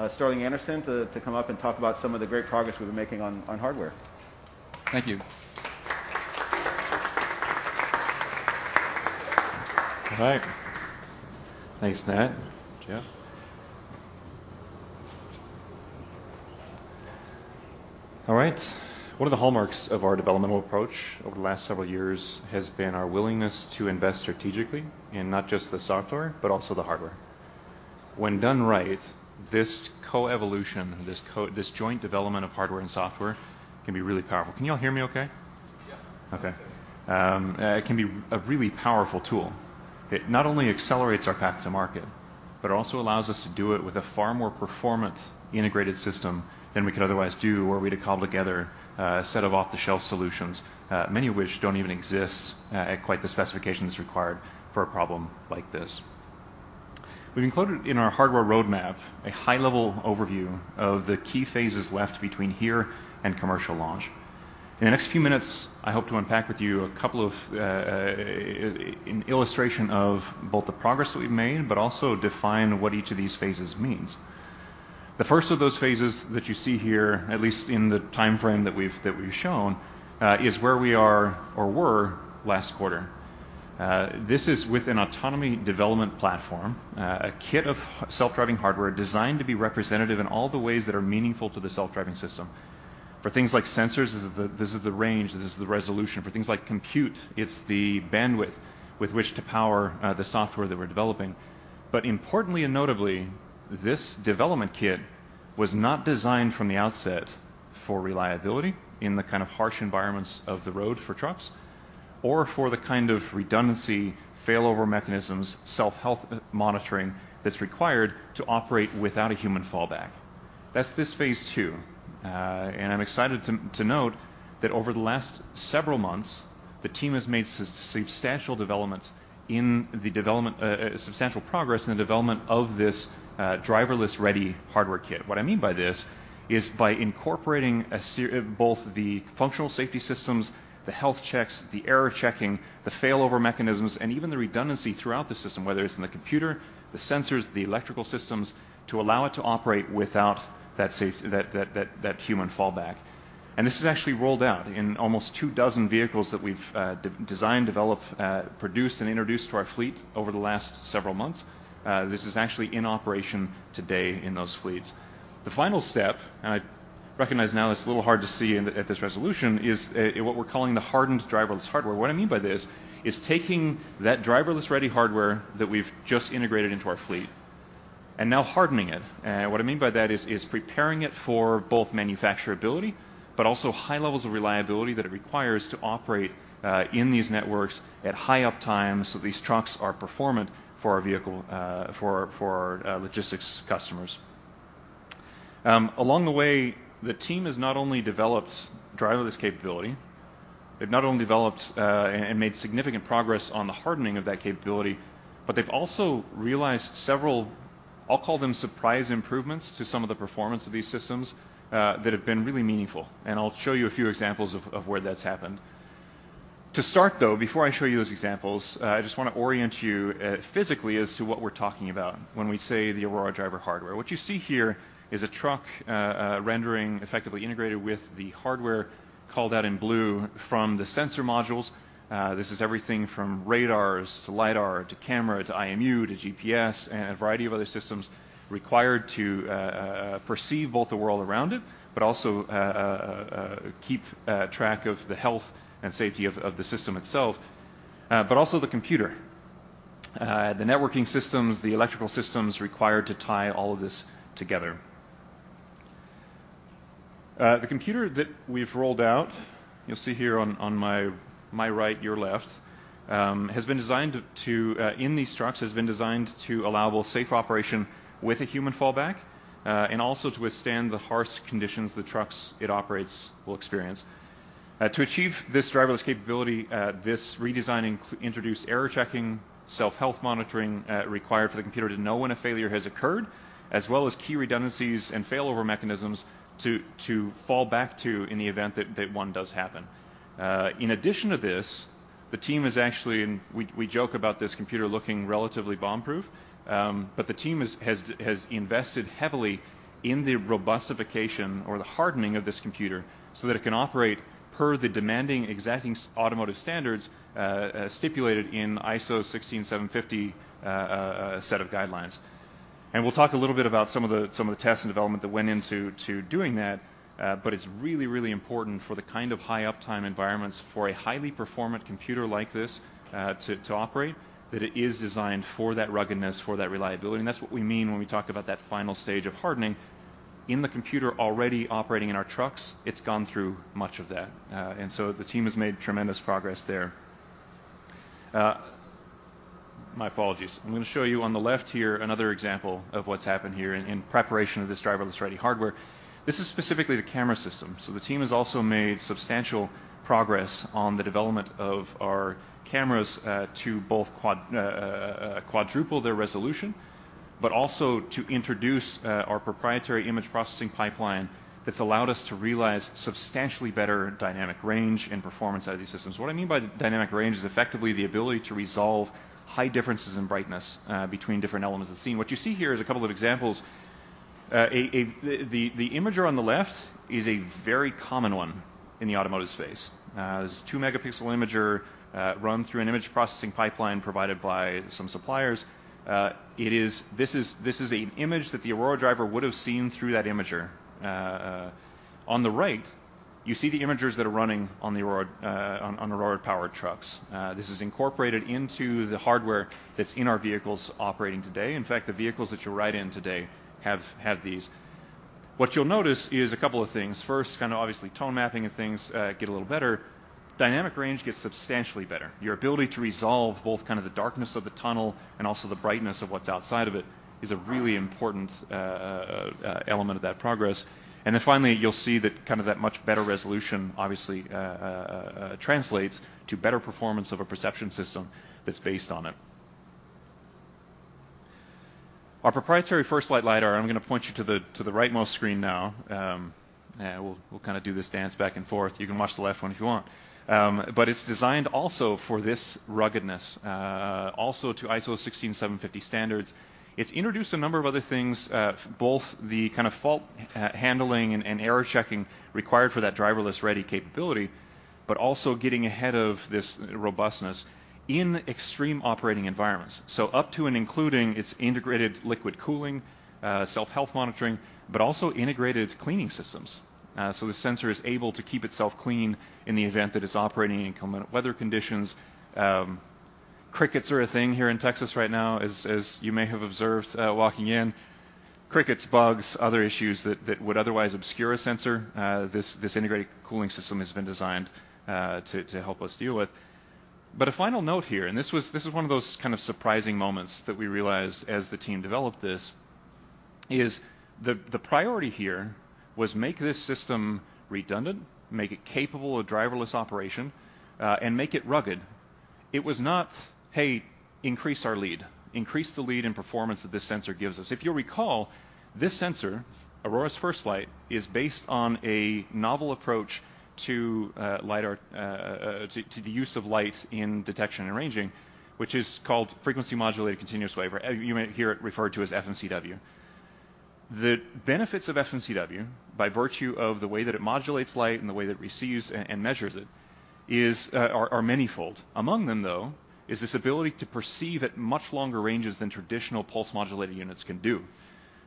Sterling Anderson to come up and talk about some of the great progress we've been making on hardware. Thank you. All right. Thanks, Nat. Jeff. All right. One of the hallmarks of our developmental approach over the last several years has been our willingness to invest strategically in not just the software, but also the hardware. When done right, this co-evolution, this joint development of hardware and software can be really powerful. Can you all hear me okay? Okay. It can be a really powerful tool. It not only accelerates our path to market, but also allows us to do it with a far more performant integrated system than we could otherwise do were we to cobble together a set of off-the-shelf solutions, many of which don't even exist, at quite the specifications required for a problem like this. We've included in our hardware roadmap a high-level overview of the key phases left between here and commercial launch. In the next few minutes, I hope to unpack with you an illustration of both the progress that we've made, but also define what each of these phases means. The first of those phases that you see here, at least in the timeframe that we've shown, is where we are or were last quarter. This is with an autonomy development platform, a kit of self-driving hardware designed to be representative in all the ways that are meaningful to the self-driving system. For things like sensors, this is the range, this is the resolution. For things like compute, it's the bandwidth with which to power the software that we're developing. Importantly and notably, this development kit was not designed from the outset for reliability in the kind of harsh environments of the road for trucks or for the kind of redundancy, failover mechanisms, self-health monitoring that's required to operate without a human fallback. That's this phase two. I'm excited to note that over the last several months, the team has made substantial progress in the development of this driverless-ready hardware kit. What I mean by this is by incorporating both the functional safety systems, the health checks, the error checking, the failover mechanisms, and even the redundancy throughout the system, whether it's in the computer, the sensors, the electrical systems, to allow it to operate without that human fallback. This is actually rolled out in almost two dozen vehicles that we've designed, developed, produced, and introduced to our fleet over the last several months. This is actually in operation today in those fleets. The final step, I recognize now it's a little hard to see at this resolution, is what we're calling the hardened driverless hardware. What I mean by this is taking that driverless-ready hardware that we've just integrated into our fleet and now hardening it. What I mean by that is preparing it for both manufacturability but also high levels of reliability that it requires to operate in these networks at high uptimes so these trucks are performant for our vehicle, for our logistics customers. Along the way, the team has not only developed driverless capability, but they've also made significant progress on the hardening of that capability, and they've also realized several, I'll call them surprise improvements to some of the performance of these systems that have been really meaningful. I'll show you a few examples of where that's happened. To start, though, before I show you those examples, I just wanna orient you physically as to what we're talking about when we say the Aurora Driver hardware. What you see here is a truck rendering effectively integrated with the hardware called out in blue from the sensor modules. This is everything from radars to lidar to camera to IMU to GPS and a variety of other systems required to perceive both the world around it, but also keep track of the health and safety of the system itself. The computer, the networking systems, the electrical systems required to tie all of this together. The computer that we've rolled out, you'll see here on my right, your left, has been designed to, in these trucks, allow both safe operation with a human fallback and also to withstand the harsh conditions the trucks it operates will experience. To achieve this driverless capability, this redesign introduced error checking, self-health monitoring required for the computer to know when a failure has occurred, as well as key redundancies and failover mechanisms to fall back to in the event that one does happen. In addition to this, the team has actually and we joke about this computer looking relatively bomb-proof, but the team has invested heavily in the robustification or the hardening of this computer so that it can operate per the demanding, exacting automotive standards stipulated in ISO 16750 set of guidelines. We'll talk a little bit about some of the tests and development that went into doing that, but it's really, really important for the kind of high uptime environments for a highly performant computer like this, to operate, that it is designed for that ruggedness, for that reliability. That's what we mean when we talk about that final stage of hardening. In the computer already operating in our trucks, it's gone through much of that. The team has made tremendous progress there. My apologies. I'm gonna show you on the left here another example of what's happened here in preparation of this driverless-ready hardware. This is specifically the camera system. The team has also made substantial progress on the development of our cameras to both quadruple their resolution, but also to introduce our proprietary image processing pipeline that's allowed us to realize substantially better dynamic range and performance out of these systems. What I mean by dynamic range is effectively the ability to resolve high differences in brightness between different elements of the scene. What you see here is a couple of examples. The imager on the left is a very common one in the automotive space. It's a two-megapixel imager, run through an image processing pipeline provided by some suppliers. This is an image that the Aurora Driver would have seen through that imager. On the right, you see the imagers that are running on the Aurora-powered trucks. This is incorporated into the hardware that's in our vehicles operating today. In fact, the vehicles that you'll ride in today have these. What you'll notice is a couple of things. First, kind of obviously tone mapping and things get a little better. Dynamic range gets substantially better. Your ability to resolve both kind of the darkness of the tunnel and also the brightness of what's outside of it is a really important element of that progress. Finally, you'll see that kind of that much better resolution obviously translates to better performance of a perception system that's based on it. Our proprietary FirstLight lidar, I'm gonna point you to the rightmost screen now. Yeah, we'll kind of do this dance back and forth. You can watch the left one if you want. It's designed also for this ruggedness, also to ISO 16750 standards. It's introduced a number of other things, both the kind of fault handling and error checking required for that driverless ready capability, but also getting ahead of this robustness in extreme operating environments. Up to and including its integrated liquid cooling, self-health monitoring, but also integrated cleaning systems. The sensor is able to keep itself clean in the event that it's operating in inclement weather conditions. Crickets are a thing here in Texas right now as you may have observed, walking in. Crickets, bugs, other issues that would otherwise obscure a sensor, this integrated cooling system has been designed to help us deal with. A final note here, this is one of those kind of surprising moments that we realized as the team developed this, is the priority here was make this system redundant, make it capable of driverless operation, and make it rugged. It was not, "Hey, increase our lead. Increase the lead and performance that this sensor gives us." If you'll recall, this sensor, Aurora's FirstLight, is based on a novel approach to lidar to the use of light in detection and ranging, which is called frequency modulated continuous wave, or you may hear it referred to as FMCW. The benefits of FMCW by virtue of the way that it modulates light and the way that it receives and measures it are manifold. Among them, though, is this ability to perceive at much longer ranges than traditional pulse modulating units can do.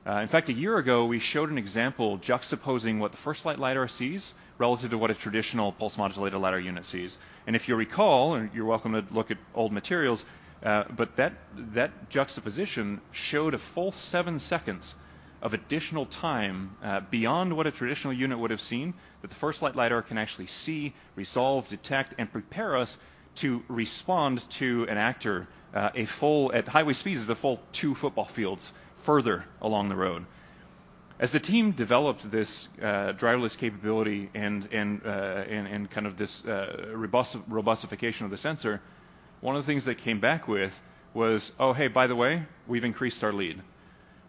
In fact, a year ago, we showed an example juxtaposing what the FirstLight lidar sees relative to what a traditional pulse modulator lidar unit sees. If you'll recall, you're welcome to look at old materials, but that juxtaposition showed a full seven seconds of additional time beyond what a traditional unit would have seen, that the FirstLight lidar can actually see, resolve, detect, and prepare us to respond to an actor, a full, at highway speeds, the full two football fields further along the road. As the team developed this driverless capability and kind of this robustification of the sensor, one of the things they came back with was, "Oh, hey, by the way, we've increased our lead."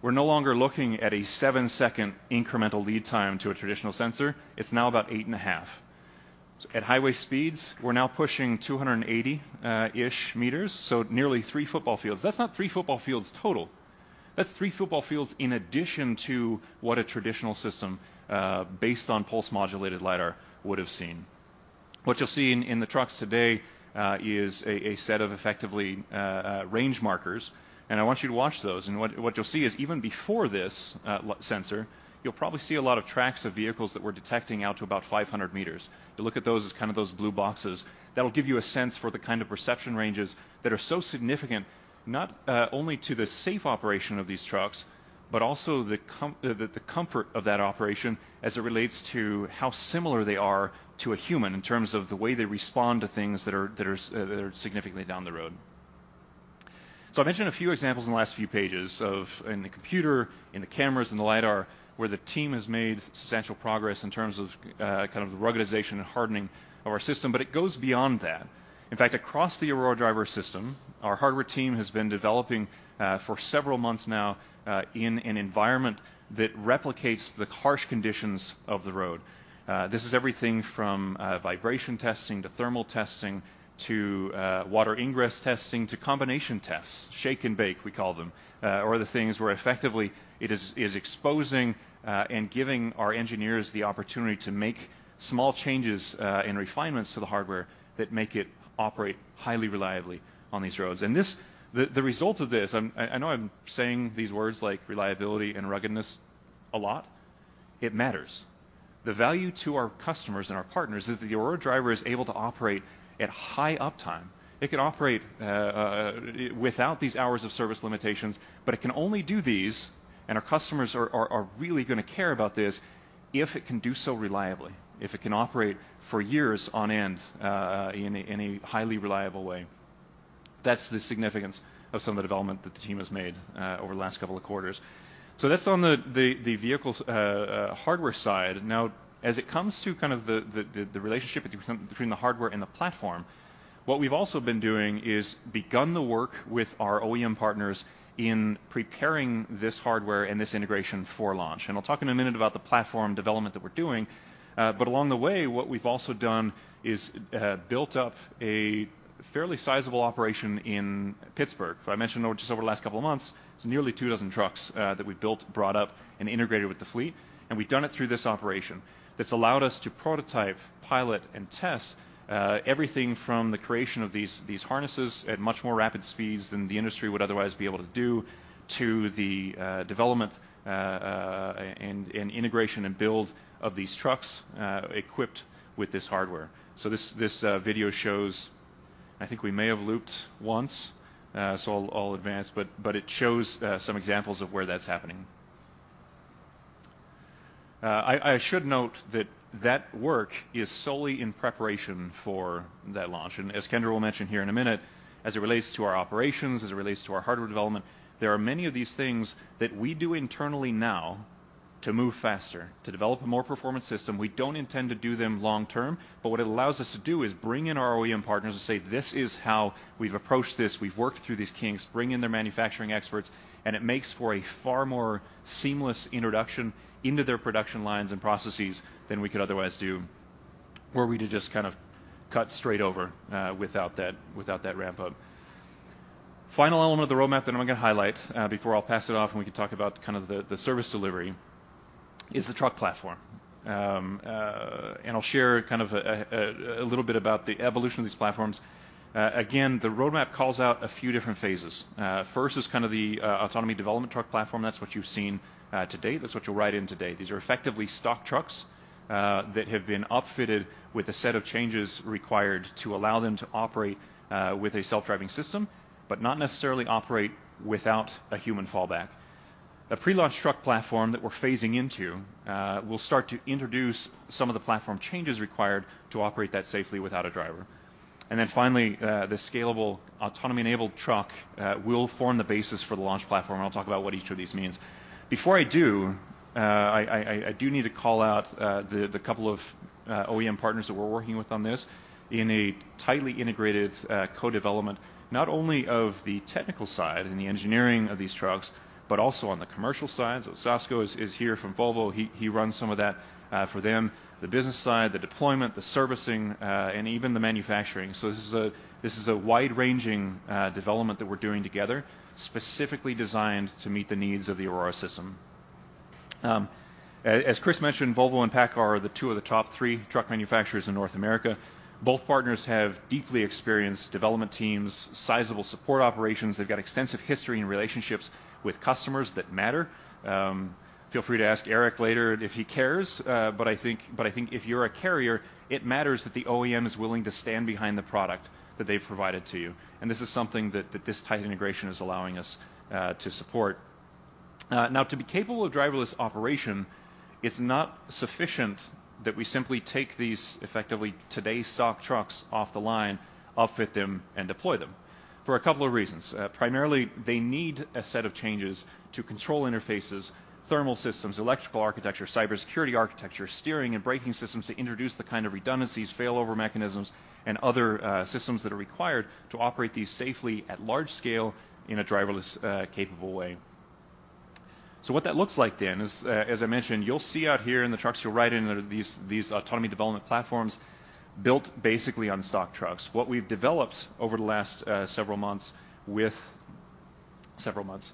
We're no longer looking at a seven-second incremental lead time to a traditional sensor. It's now about 8.5 second. At highway speeds, we're now pushing 280-ish meters, so nearly three football fields. That's not three football fields total. That's three football fields in addition to what a traditional system based on pulse-modulated lidar would have seen. What you'll see in the trucks today is a set of effectively range markers, and I want you to watch those. What you'll see is even before this lidar sensor, you'll probably see a lot of tracks of vehicles that we're detecting out to about 500 meters. You look at those as kind of those blue boxes. That'll give you a sense for the kind of perception ranges that are so significant, not only to the safe operation of these trucks, but also the comfort of that operation as it relates to how similar they are to a human in terms of the way they respond to things that are significantly down the road. I mentioned a few examples in the last few pages of in the computer, in the cameras, in the lidar, where the team has made substantial progress in terms of kind of the ruggedization and hardening of our system, but it goes beyond that. In fact, across the Aurora Driver system, our hardware team has been developing for several months now in an environment that replicates the harsh conditions of the road. This is everything from vibration testing to thermal testing to water ingress testing to combination tests. Shake and bake, we call them. Or the things where effectively it is exposing and giving our engineers the opportunity to make small changes and refinements to the hardware that make it operate highly reliably on these roads. This, the result of this, I'm... I know I'm saying these words like reliability and ruggedness a lot. It matters. The value to our customers and our partners is that the Aurora Driver is able to operate at high uptime. It can operate without these hours of service limitations, but it can only do these, and our customers are really gonna care about this, if it can do so reliably. If it can operate for years on end in a highly reliable way. That's the significance of some of the development that the team has made over the last couple of quarters. That's on the vehicle's hardware side. Now, as it comes to kind of the relationship between the hardware and the platform, what we've also been doing is begun the work with our OEM partners in preparing this hardware and this integration for launch. I'll talk in a minute about the platform development that we're doing. Along the way, what we've also done is built up a fairly sizable operation in Pittsburgh. As I mentioned just over the last couple of months, it's nearly 24 trucks that we built, brought up, and integrated with the fleet. We've done it through this operation that's allowed us to prototype, pilot, and test everything from the creation of these harnesses at much more rapid speeds than the industry would otherwise be able to do to the development and integration and build of these trucks equipped with this hardware. This video shows. I think we may have looped once, so I'll advance, but it shows some examples of where that's happening. I should note that work is solely in preparation for that launch. As Kendra will mention here in a minute, as it relates to our operations, as it relates to our hardware development, there are many of these things that we do internally now to move faster, to develop a more performant system. We don't intend to do them long term, but what it allows us to do is bring in our OEM partners and say, "This is how we've approached this. We've worked through these kinks, bring in their manufacturing experts." And it makes for a far more seamless introduction into their production lines and processes than we could otherwise do were we to just kind of cut straight over without that ramp up. Final element of the roadmap that I'm gonna highlight before I'll pass it off and we can talk about kind of the service delivery is the truck platform. I'll share kind of a little bit about the evolution of these platforms. Again, the roadmap calls out a few different phases. First is kind of the autonomy development truck platform. That's what you've seen to date. That's what you'll ride in today. These are effectively stock trucks that have been upfitted with a set of changes required to allow them to operate with a self-driving system, but not necessarily operate without a human fallback. A pre-launch truck platform that we're phasing into will start to introduce some of the platform changes required to operate that safely without a driver. Finally, the scalable autonomy-enabled truck will form the basis for the launch platform, and I'll talk about what each of these means. Before I do, I do need to call out the couple of OEM partners that we're working with on this in a tightly integrated co-development, not only of the technical side and the engineering of these trucks, but also on the commercial side. Sasko is here from Volvo. He runs some of that for them, the business side, the deployment, the servicing, and even the manufacturing. This is a wide-ranging development that we're doing together, specifically designed to meet the needs of the Aurora system. As Chris mentioned, Volvo and PACCAR are two of the top three truck manufacturers in North America. Both partners have deeply experienced development teams, sizable support operations. They've got extensive history and relationships with customers that matter. Feel free to ask Eric later if he cares, but I think if you're a carrier, it matters that the OEM is willing to stand behind the product that they've provided to you, and this is something that this tight integration is allowing us to support. Now to be capable of driverless operation, it's not sufficient that we simply take these effectively today stock trucks off the line, upfit them, and deploy them for a couple of reasons. Primarily, they need a set of changes to control interfaces, thermal systems, electrical architecture, cybersecurity architecture, steering and braking systems to introduce the kind of redundancies, failover mechanisms, and other systems that are required to operate these safely at large scale in a driverless capable way. What that looks like then is, as I mentioned, you'll see out here in the trucks you'll ride in are these autonomy development platforms built basically on stock trucks. What we've developed over the last several months. We've developed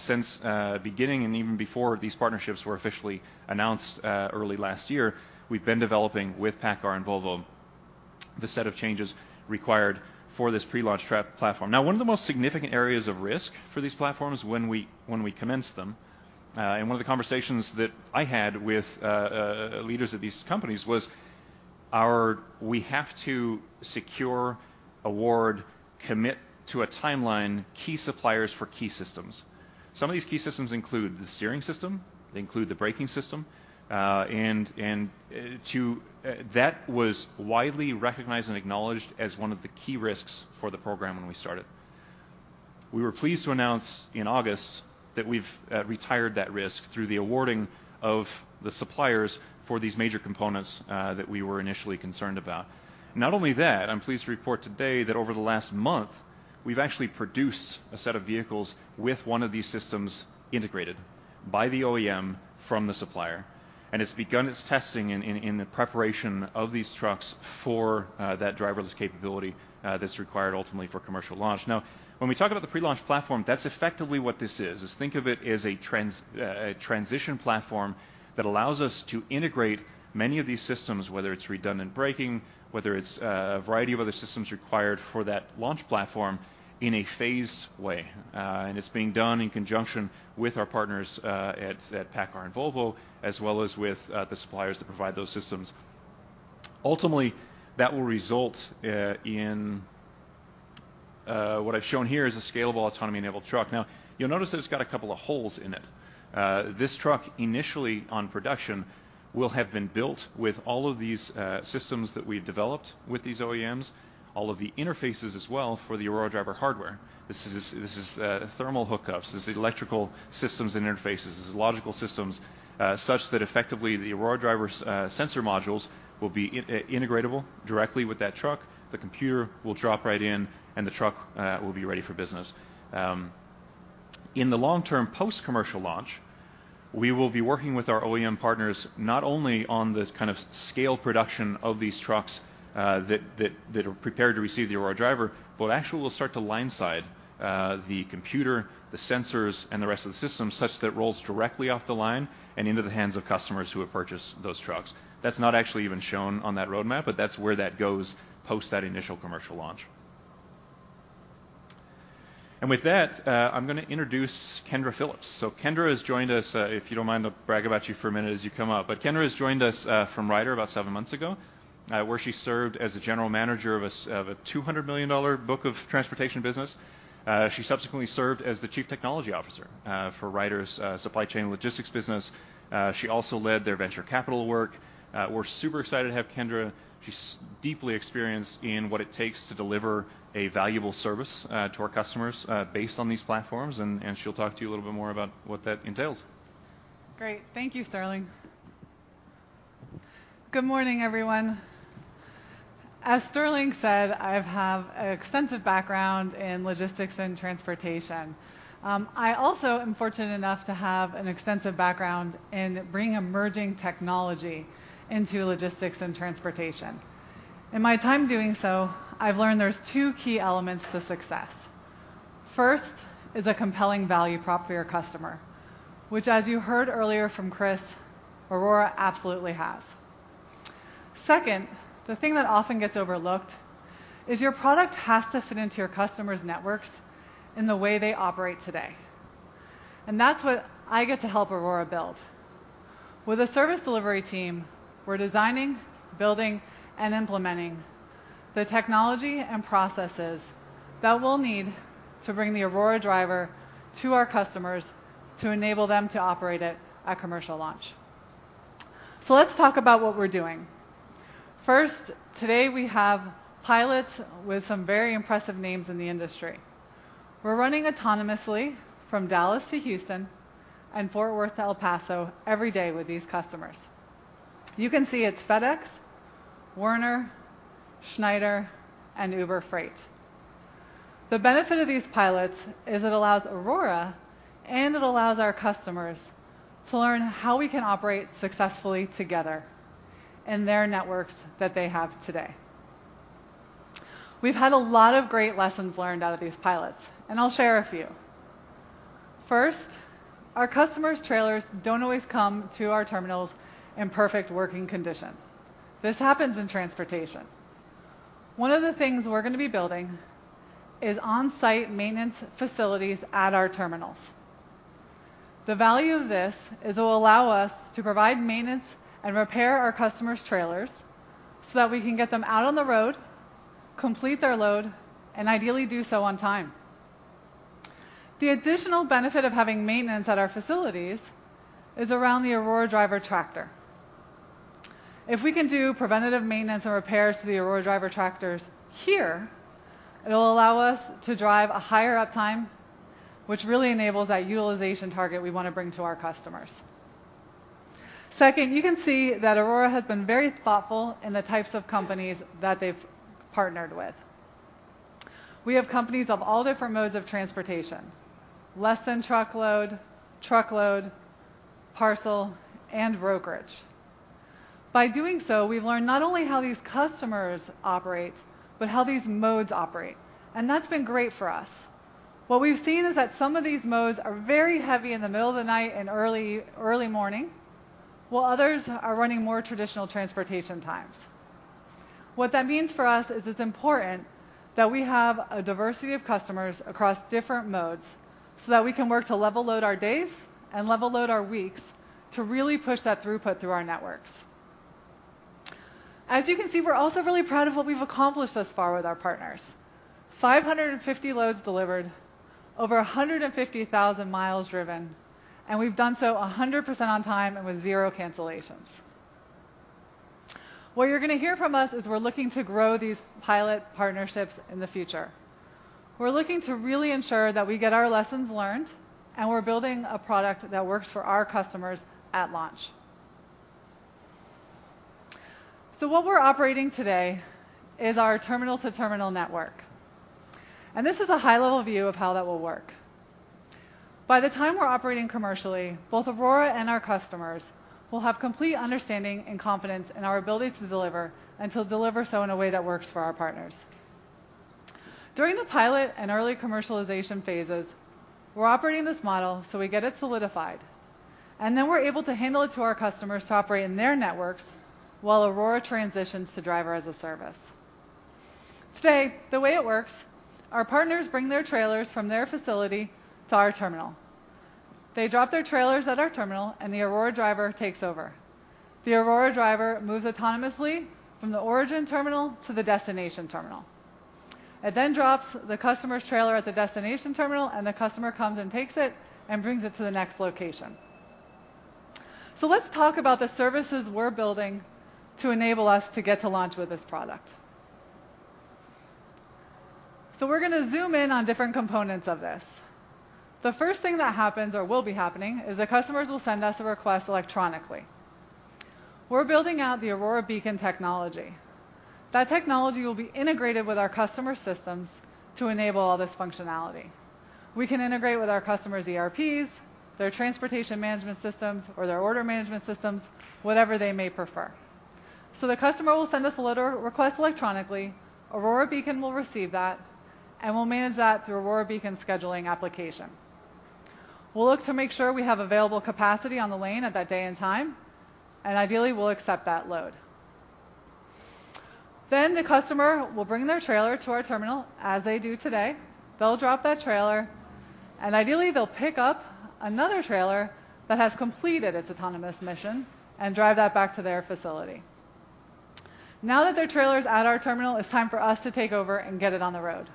since beginning and even before these partnerships were officially announced early last year. We've been developing with PACCAR and Volvo the set of changes required for this pre-launch platform. Now, one of the most significant areas of risk for these platforms when we commenced them, and one of the conversations that I had with leaders of these companies was our. We have to secure, award, commit to a timeline, key suppliers for key systems. Some of these key systems include the steering system. They include the braking system. That was widely recognized and acknowledged as one of the key risks for the program when we started. We were pleased to announce in August that we've retired that risk through the awarding of the suppliers for these major components that we were initially concerned about. Not only that, I'm pleased to report today that over the last month, we've actually produced a set of vehicles with one of these systems integrated by the OEM from the supplier, and it's begun its testing in the preparation of these trucks for that driverless capability that's required ultimately for commercial launch. Now, when we talk about the pre-launch platform, that's effectively what this is, think of it as a transition platform that allows us to integrate many of these systems, whether it's redundant braking, whether it's a variety of other systems required for that launch platform in a phased way, and it's being done in conjunction with our partners at PACCAR and Volvo, as well as with the suppliers that provide those systems. Ultimately, that will result in what I've shown here is a scalable autonomy-enabled truck. Now, you'll notice that it's got a couple of holes in it. This truck initially on production will have been built with all of these systems that we've developed with these OEMs, all of the interfaces as well for the Aurora Driver hardware. This is thermal hookups. This is electrical systems interfaces. This is logical systems, such that effectively the Aurora Driver's sensor modules will be integratable directly with that truck. The computer will drop right in, and the truck will be ready for business. In the long term post-commercial launch, we will be working with our OEM partners not only on the kind of scale production of these trucks that are prepared to receive the Aurora Driver, but actually we'll start to line side the computer, the sensors, and the rest of the system such that it rolls directly off the line and into the hands of customers who have purchased those trucks. That's not actually even shown on that roadmap, but that's where that goes post that initial commercial launch. With that, I'm gonna introduce Kendra Phillips. Kendra has joined us, if you don't mind, I'll brag about you for a minute as you come up. Kendra has joined us from Ryder about seven months ago, where she served as a general manager of a $200 million book of transportation business. She subsequently served as the Chief Technology Officer for Ryder's supply chain logistics business. She also led their venture capital work. We're super excited to have Kendra. She's deeply experienced in what it takes to deliver a valuable service to our customers based on these platforms, and she'll talk to you a little bit more about what that entails. Great. Thank you, Sterling. Good morning, everyone. As Sterling said, I have a extensive background in logistics and transportation. I also am fortunate enough to have an extensive background in bringing emerging technology into logistics and transportation. In my time doing so, I've learned there's two key elements to success. First is a compelling value prop for your customer, which as you heard earlier from Chris, Aurora absolutely has. Second, the thing that often gets overlooked is your product has to fit into your customers' networks in the way they operate today, and that's what I get to help Aurora build. With a service delivery team, we're designing, building, and implementing the technology and processes that we'll need to bring the Aurora Driver to our customers to enable them to operate it at commercial launch. Let's talk about what we're doing. First, today we have pilots with some very impressive names in the industry. We're running autonomously from Dallas to Houston and Fort Worth to El Paso every day with these customers. You can see it's FedEx, Werner, Schneider, and Uber Freight. The benefit of these pilots is it allows Aurora and it allows our customers to learn how we can operate successfully together in their networks that they have today. We've had a lot of great lessons learned out of these pilots, and I'll share a few. First, our customers' trailers don't always come to our terminals in perfect working condition. This happens in transportation. One of the things we're gonna be building is on-site maintenance facilities at our terminals. The value of this is it will allow us to provide maintenance and repair our customers' trailers so that we can get them out on the road, complete their load, and ideally do so on time. The additional benefit of having maintenance at our facilities is around the Aurora Driver tractor. If we can do preventative maintenance and repairs to the Aurora Driver tractors here, it'll allow us to drive a higher uptime, which really enables that utilization target we wanna bring to our customers. Second, you can see that Aurora has been very thoughtful in the types of companies that they've partnered with. We have companies of all different modes of transportation, less than truckload, parcel, and brokerage. By doing so, we've learned not only how these customers operate, but how these modes operate, and that's been great for us. What we've seen is that some of these modes are very heavy in the middle of the night and early morning, while others are running more traditional transportation times. What that means for us is it's important that we have a diversity of customers across different modes so that we can work to level load our days and level load our weeks to really push that throughput through our networks. As you can see, we're also really proud of what we've accomplished thus far with our partners. 550 loads delivered, over 150,000 mi driven, and we've done so 100% on time and with zero cancellations. What you're gonna hear from us is we're looking to grow these pilot partnerships in the future. We're looking to really ensure that we get our lessons learned, and we're building a product that works for our customers at launch. What we're operating today is our terminal-to-terminal network, and this is a high-level view of how that will work. By the time we're operating commercially, both Aurora and our customers will have complete understanding and confidence in our ability to deliver and to deliver so in a way that works for our partners. During the pilot and early commercialization phases, we're operating this model so we get it solidified, and then we're able to handle it to our customers to operate in their networks while Aurora transitions to Driver-as-a-Service. Today, the way it works, our partners bring their trailers from their facility to our terminal. They drop their trailers at our terminal, and the Aurora Driver takes over. The Aurora Driver moves autonomously from the origin terminal to the destination terminal. It then drops the customer's trailer at the destination terminal, and the customer comes and takes it and brings it to the next location. Let's talk about the services we're building to enable us to get to launch with this product. We're gonna zoom in on different components of this. The first thing that happens or will be happening is the customers will send us a request electronically. We're building out the Aurora Beacon technology. That technology will be integrated with our customers' systems to enable all this functionality. We can integrate with our customers' ERPs, their transportation management systems, or their order management systems, whatever they may prefer. The customer will send us a load request electronically, Aurora Beacon will receive that, and we'll manage that through Aurora Beacon's scheduling application. We'll look to make sure we have available capacity on the lane at that day and time, and ideally, we'll accept that load. The customer will bring their trailer to our terminal as they do today. They'll drop that trailer, and ideally, they'll pick up another trailer that has completed its autonomous mission and drive that back to their facility. Now that their trailer's at our terminal, it's time for us to take over and get it on the road.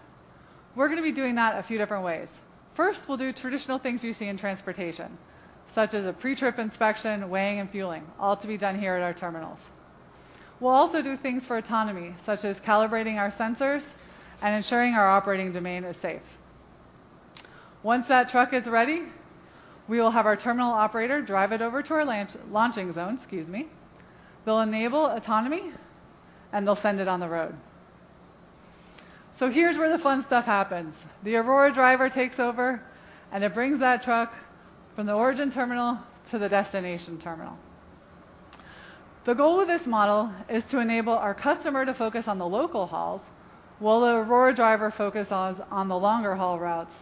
We're gonna be doing that a few different ways. First, we'll do traditional things you see in transportation, such as a pre-trip inspection, weighing, and fueling, all to be done here at our terminals. We'll also do things for autonomy, such as calibrating our sensors and ensuring our operating domain is safe. Once that truck is ready, we will have our terminal operator drive it over to our launching zone, excuse me. They'll enable autonomy, and they'll send it on the road. Here's where the fun stuff happens. The Aurora Driver takes over, and it brings that truck from the origin terminal to the destination terminal. The goal of this model is to enable our customer to focus on the local hauls while the Aurora Driver focuses on the longer-haul routes,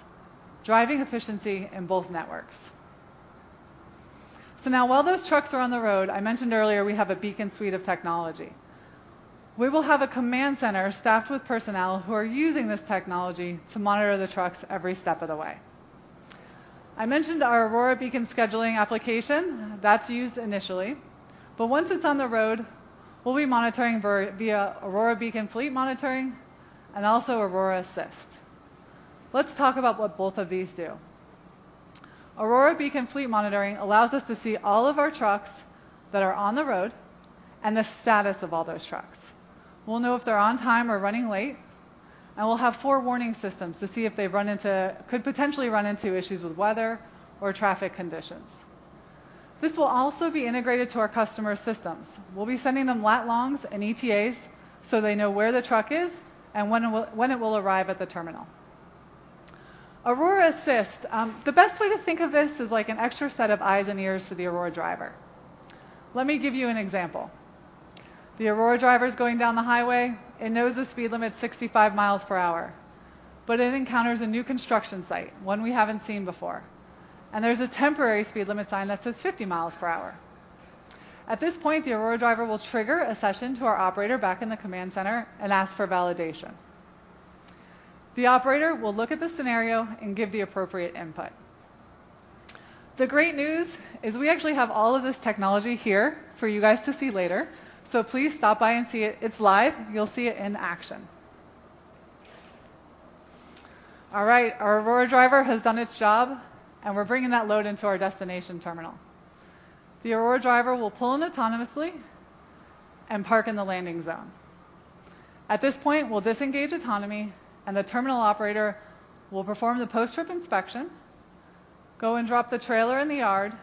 driving efficiency in both networks. Now while those trucks are on the road, I mentioned earlier we have a Beacon suite of technology. We will have a command center staffed with personnel who are using this technology to monitor the trucks every step of the way. I mentioned our Aurora Beacon scheduling application. That's used initially. Once it's on the road, we'll be monitoring via Aurora Beacon Fleet Monitoring and also Aurora Assist. Let's talk about what both of these do. Aurora Beacon Fleet Monitoring allows us to see all of our trucks that are on the road and the status of all those trucks. We'll know if they're on time or running late, and we'll have forewarning systems to see if they could potentially run into issues with weather or traffic conditions. This will also be integrated to our customer systems. We'll be sending them lat-longs and ETAs, so they know where the truck is and when it will arrive at the terminal. Aurora Assist, the best way to think of this is like an extra set of eyes and ears for the Aurora Driver. Let me give you an example. The Aurora Driver's going down the highway and knows the speed limit's 65 mi per hour, but it encounters a new construction site, one we haven't seen before, and there's a temporary speed limit sign that says 50 mi per hour. At this point, the Aurora Driver will trigger a session to our operator back in the command center and ask for validation. The operator will look at the scenario and give the appropriate input. The great news is we actually have all of this technology here for you guys to see later, so please stop by and see it. It's live. You'll see it in action. All right. Our Aurora Driver has done its job, and we're bringing that load into our destination terminal. The Aurora Driver will pull in autonomously and park in the landing zone. At this point, we'll disengage autonomy, and the terminal operator will perform the post-trip inspection, go and drop the trailer in the yard,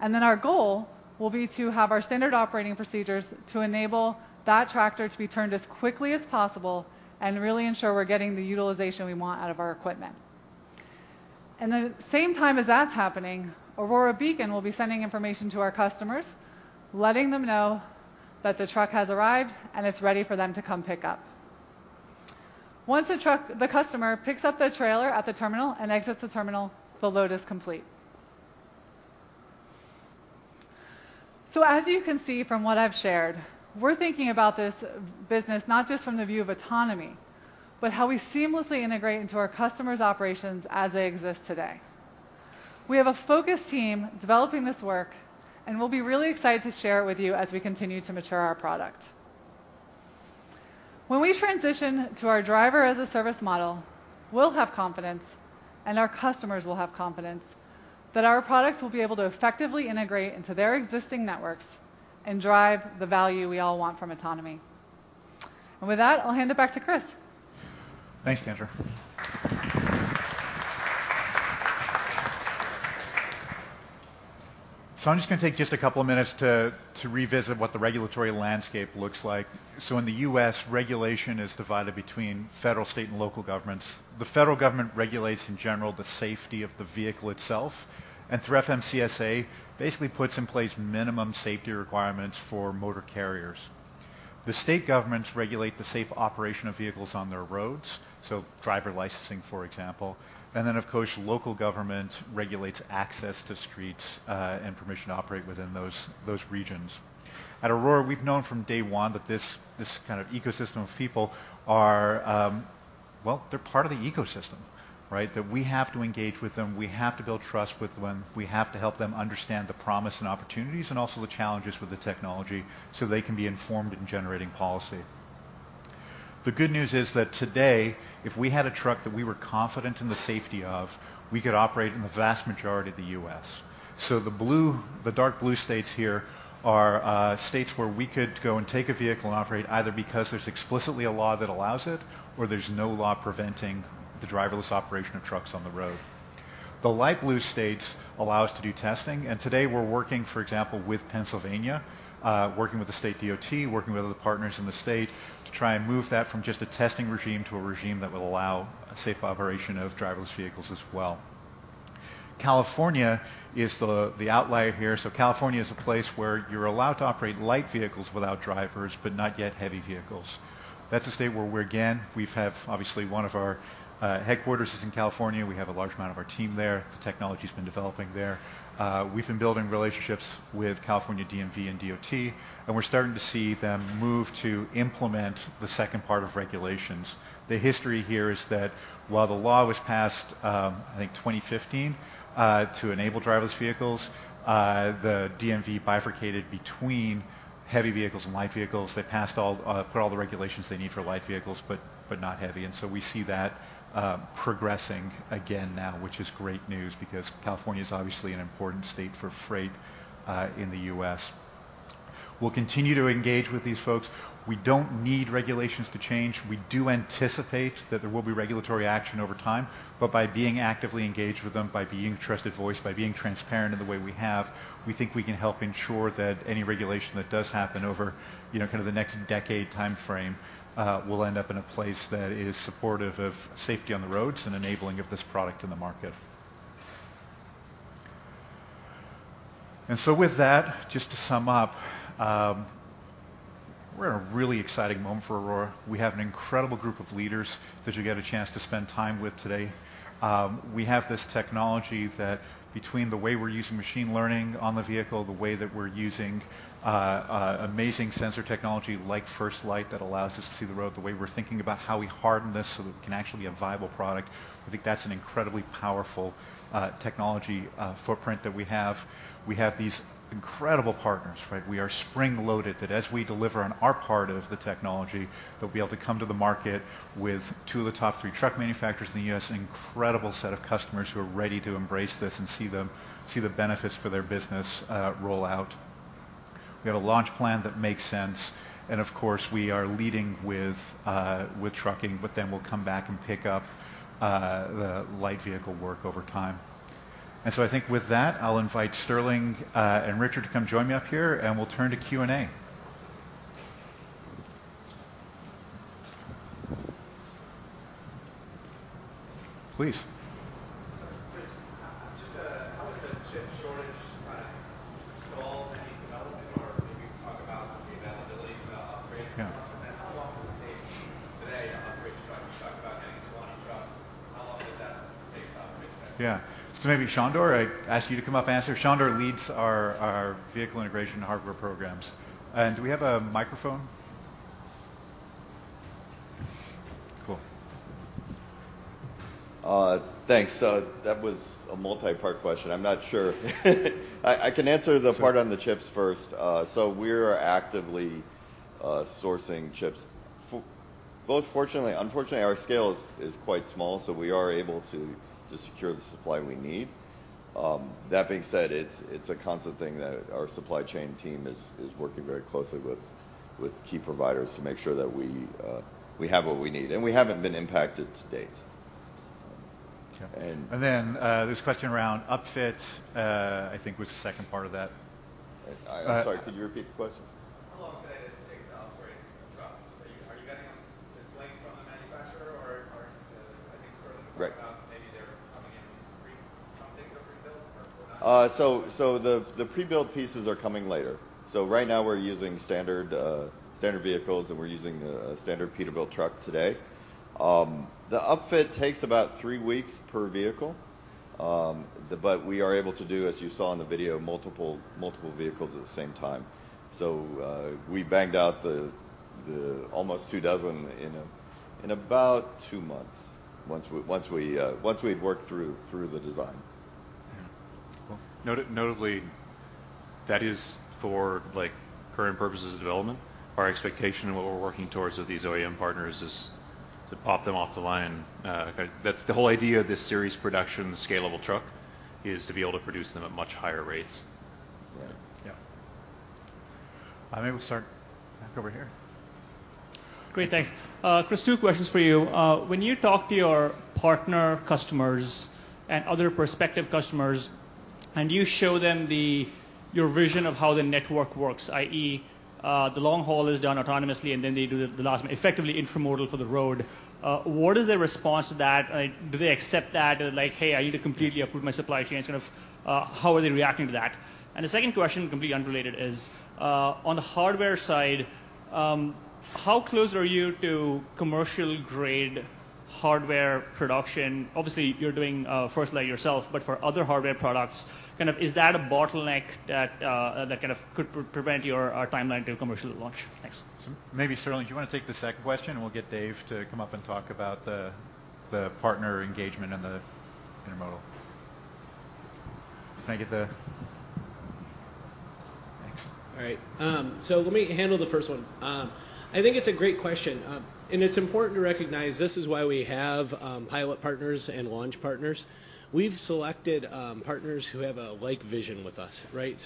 and then our goal will be to have our standard operating procedures to enable that tractor to be turned as quickly as possible and really ensure we're getting the utilization we want out of our equipment. Then at the same time as that's happening, Aurora Beacon will be sending information to our customers, letting them know that the truck has arrived and it's ready for them to come pick up. Once the customer picks up the trailer at the terminal and exits the terminal, the load is complete. As you can see from what I've shared, we're thinking about this business not just from the view of autonomy, but how we seamlessly integrate into our customers' operations as they exist today. We have a focused team developing this work, and we'll be really excited to share it with you as we continue to mature our product. When we transition to our Driver-as-a-Service model, we'll have confidence, and our customers will have confidence that our product will be able to effectively integrate into their existing networks and drive the value we all want from autonomy. With that, I'll hand it back to Chris. Thanks, Kendra. I'm just gonna take just a couple of minutes to revisit what the regulatory landscape looks like. In the U.S., regulation is divided between federal, state, and local governments. The federal government regulates, in general, the safety of the vehicle itself, and through FMCSA basically puts in place minimum safety requirements for motor carriers. The state governments regulate the safe operation of vehicles on their roads, so driver licensing, for example. Then, of course, local government regulates access to streets, and permission to operate within those regions. At Aurora, we've known from day one that this kind of ecosystem of people are, well, they're part of the ecosystem, right? That we have to engage with them. We have to build trust with them. We have to help them understand the promise and opportunities and also the challenges with the technology, so they can be informed in generating policy. The good news is that today, if we had a truck that we were confident in the safety of, we could operate in the vast majority of the U.S. The blue, the dark blue states here are states where we could go and take a vehicle and operate either because there's explicitly a law that allows it or there's no law preventing the driverless operation of trucks on the road. The light blue states allow us to do testing, and today we're working, for example, with Pennsylvania, working with the state DOT, working with other partners in the state to try and move that from just a testing regime to a regime that will allow safe operation of driverless vehicles as well. California is the outlier here. California is a place where you're allowed to operate light vehicles without drivers, but not yet heavy vehicles. That's a state where we, again, have obviously one of our headquarters in California. We have a large amount of our team there. The technology's been developing there. We've been building relationships with California DMV and DOT, and we're starting to see them move to implement the second part of regulations. The history here is that while the law was passed, I think 2015, to enable driverless vehicles, the DMV bifurcated between heavy vehicles and light vehicles. They put all the regulations they need for light vehicles, but not heavy. We see that progressing again now, which is great news because California's obviously an important state for freight in the U.S. We'll continue to engage with these folks. We don't need regulations to change. We do anticipate that there will be regulatory action over time. But by being actively engaged with them, by being trusted voice, by being transparent in the way we have, we think we can help ensure that any regulation that does happen over, you know, kinda the next decade timeframe, will end up in a place that is supportive of safety on the roads and enabling of this product in the market. With that, just to sum up, we're in a really exciting moment for Aurora. We have an incredible group of leaders that you get a chance to spend time with today. We have this technology that between the way we're using machine learning on the vehicle, the way that we're using amazing sensor technology like FirstLight that allows us to see the road, the way we're thinking about how we harden this so that it can actually be a viable product. I think that's an incredibly powerful technology footprint that we have. We have these incredible partners, right? We are spring-loaded that as we deliver on our part of the technology, they'll be able to come to the market with two of the top three truck manufacturers in the U.S., an incredible set of customers who are ready to embrace this and see the benefits for their business, roll out. We have a launch plan that makes sense, and of course, we are leading with trucking, but then we'll come back and pick up the light vehicle work over time. I think with that, I'll invite Sterling and Richard to come join me up here, and we'll turn to Q&A. Please. Chris, just how has the chip shortage kind of stalled any development? Or maybe you can talk about the availability to upgrade How long does it take today to upgrade a truck? You talked about getting 20 trucks. How long does that take to upgrade today? Yeah. Maybe Sandor, I ask you to come up answer. Sandor leads our vehicle integration hardware programs. Do we have a microphone? Cool. Thanks. That was a multi-part question. I'm not sure. I can answer the part on the chip first. Sure. So we're actively sourcing chips for both fortunately and unfortunately, our scale is quite small, so we are able to secure the supply we need. That being said, it's a constant thing that our supply chain team is working very closely with key providers to make sure that we have what we need. We haven't been impacted to date. Okay. There's a question around upfits, I think was the second part of that. I'm sorry. Could you repeat the question? How long today does it take to upgrade a truck? Are you getting them just blank from a manufacturer or are you..? [inaudible] I think Sterling- Right. Some things are prebuilt or not? The pre-built pieces are coming later. Right now we're using standard vehicles, and we're using a standard Peterbilt truck today. The upfit takes about three weeks per vehicle. But we are able to do, as you saw in the video, multiple vehicles at the same time. We banged out the almost two dozen in about two months once we had worked through the designs. Yeah. Cool. Notably, that is for, like, current purposes of development. Our expectation and what we're working towards with these OEM partners is to pop them off the line. Kind of, that's the whole idea of this series production scalable truck is to be able to produce them at much higher rates. Yeah. Yeah. Maybe we'll start back over here. Great. Thanks. Chris, two questions for you. When you talk to your partner customers and other prospective customers, and you show them the, your vision of how the network works, i.e., the long haul is done autonomously and then they do the last effectively intermodal for the road, what is their response to that? Do they accept that? Like, "Hey, I need to completely uproot my supply chain," sort of. How are they reacting to that? And the second question, completely unrelated, is, on the hardware side, how close are you to commercial grade hardware production? Obviously, you're doing FirstLight yourself, but for other hardware products, kind of is that a bottleneck that that kind of could prevent your, timeline to commercial launch? Thanks. Maybe, Sterling, do you wanna take the second question, and we'll get Dave to come up and talk about the partner engagement and the intermodal. Can I get the.... Thanks. All right. Let me handle the first one. I think it's a great question. It's important to recognize this is why we have pilot partners and launch partners. We've selected partners who have a like vision with us, right?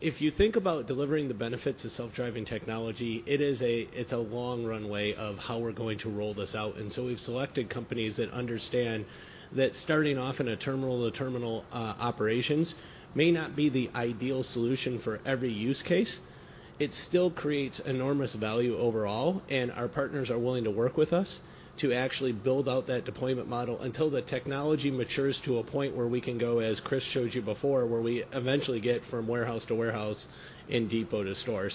If you think about delivering the benefits of self-driving technology, it's a long runway of how we're going to roll this out. We've selected companies that understand that starting off in a terminal-to-terminal operations may not be the ideal solution for every use case. It still creates enormous value overall, and our partners are willing to work with us to actually build out that deployment model until the technology matures to a point where we can go, as Chris showed you before, where we eventually get from warehouse to warehouse. In depot to store.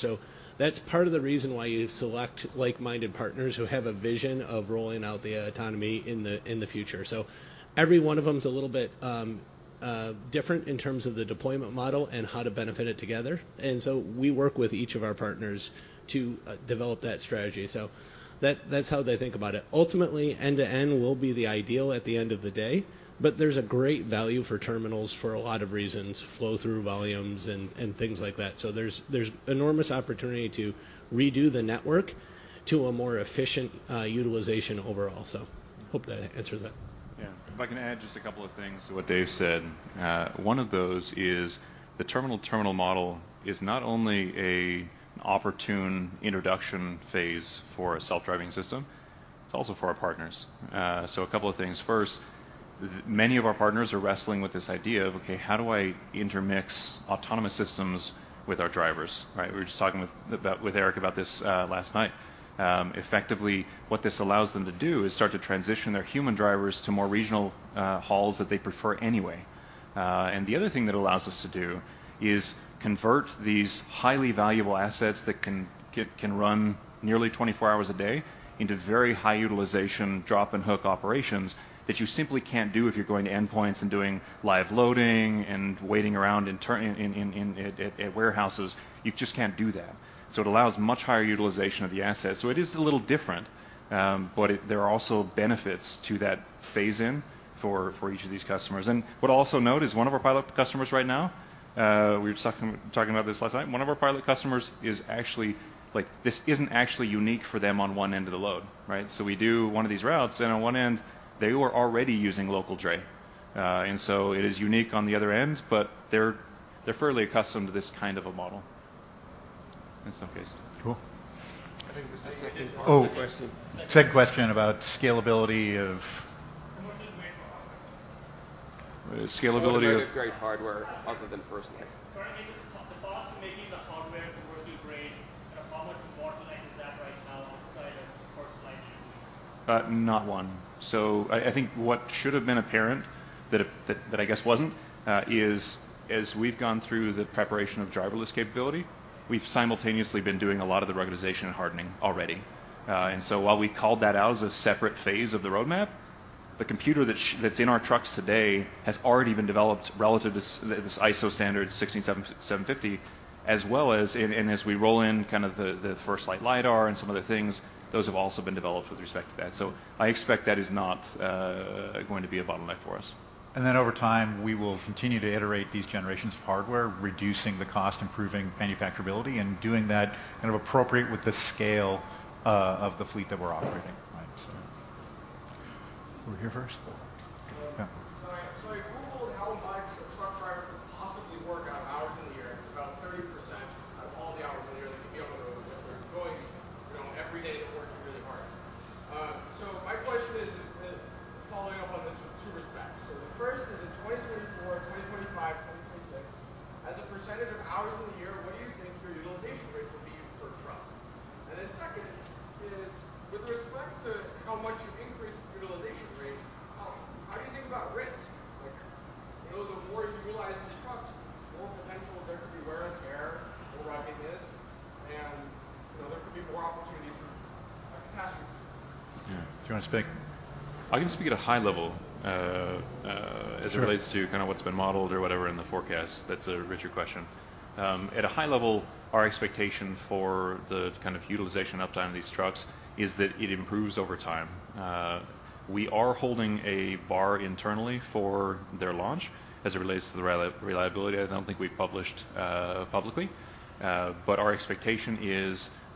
That's part of the reason why you select like-minded partners who have a vision of rolling out the autonomy in the future. Every one of them is a little bit different in terms of the deployment model and how to benefit it together. We work with each of our partners to develop that strategy. That's how they think about it. Ultimately, end-to-end will be the ideal at the end of the day, but there's a great value for terminals for a lot of reasons, flow through volumes and things like that. There's enormous opportunity to redo the network to a more efficient utilization overall. Hope that answers that. Yeah. If I can add just a couple of things to what Dave said. One of those is the terminal-terminal model is not only an opportune introduction phase for a self-driving system, it's also for our partners. A couple of things. First, many of our partners are wrestling with this idea of, okay, how do I intermix autonomous systems with our drivers, right? We were just talking with Eric about this last night. Effectively, what this allows them to do is start to transition their human drivers to more regional hauls that they prefer anyway. The other thing that allows us to do is convert these highly valuable assets that can run nearly 24 hours a day into very high utilization drop and hook operations that you simply can't do if you're going to endpoints and doing live loading and waiting around in turnarounds at warehouses. You just can't do that. It allows much higher utilization of the asset. It is a little different, but there are also benefits to that phase-in for each of these customers. I would also note one of our pilot customers right now, we were talking about this last night, one of our pilot customers is actually like, this isn't actually unique for them on one end of the load, right? We do one of these routes, and on one end they were already using local dray. It is unique on the other end, but they're fairly accustomed to this kind of a model in some cases. Cool. I think there's a second question. Oh, second question about scalability. Commercial grade for hardware. Scalability of commercial grade hardware other than FirstLight. Sorry, I mean, the cost of making the hardware commercial grade, you know, how much of a bottleneck is that right now outside of FirstLight units? Not one. I think what should have been apparent that I guess wasn't is as we've gone through the preparation of driverless capability, we've simultaneously been doing a lot of the ruggedization and hardening already. While we called that out as a separate phase of the roadmap, the computer that's in our trucks today has already been developed relative to this ISO standard 16750, as well as, and as we roll in kind of the FirstLight lidar and some other things, those have also been developed with respect to that. I expect that is not going to be a bottleneck for us. Over time, we will continue to iterate these generations of hardware, reducing the cost, improving manufacturability, and doing that appropriately with the scale of the fleet that we're operating. Right Sterling? Right. Over here first?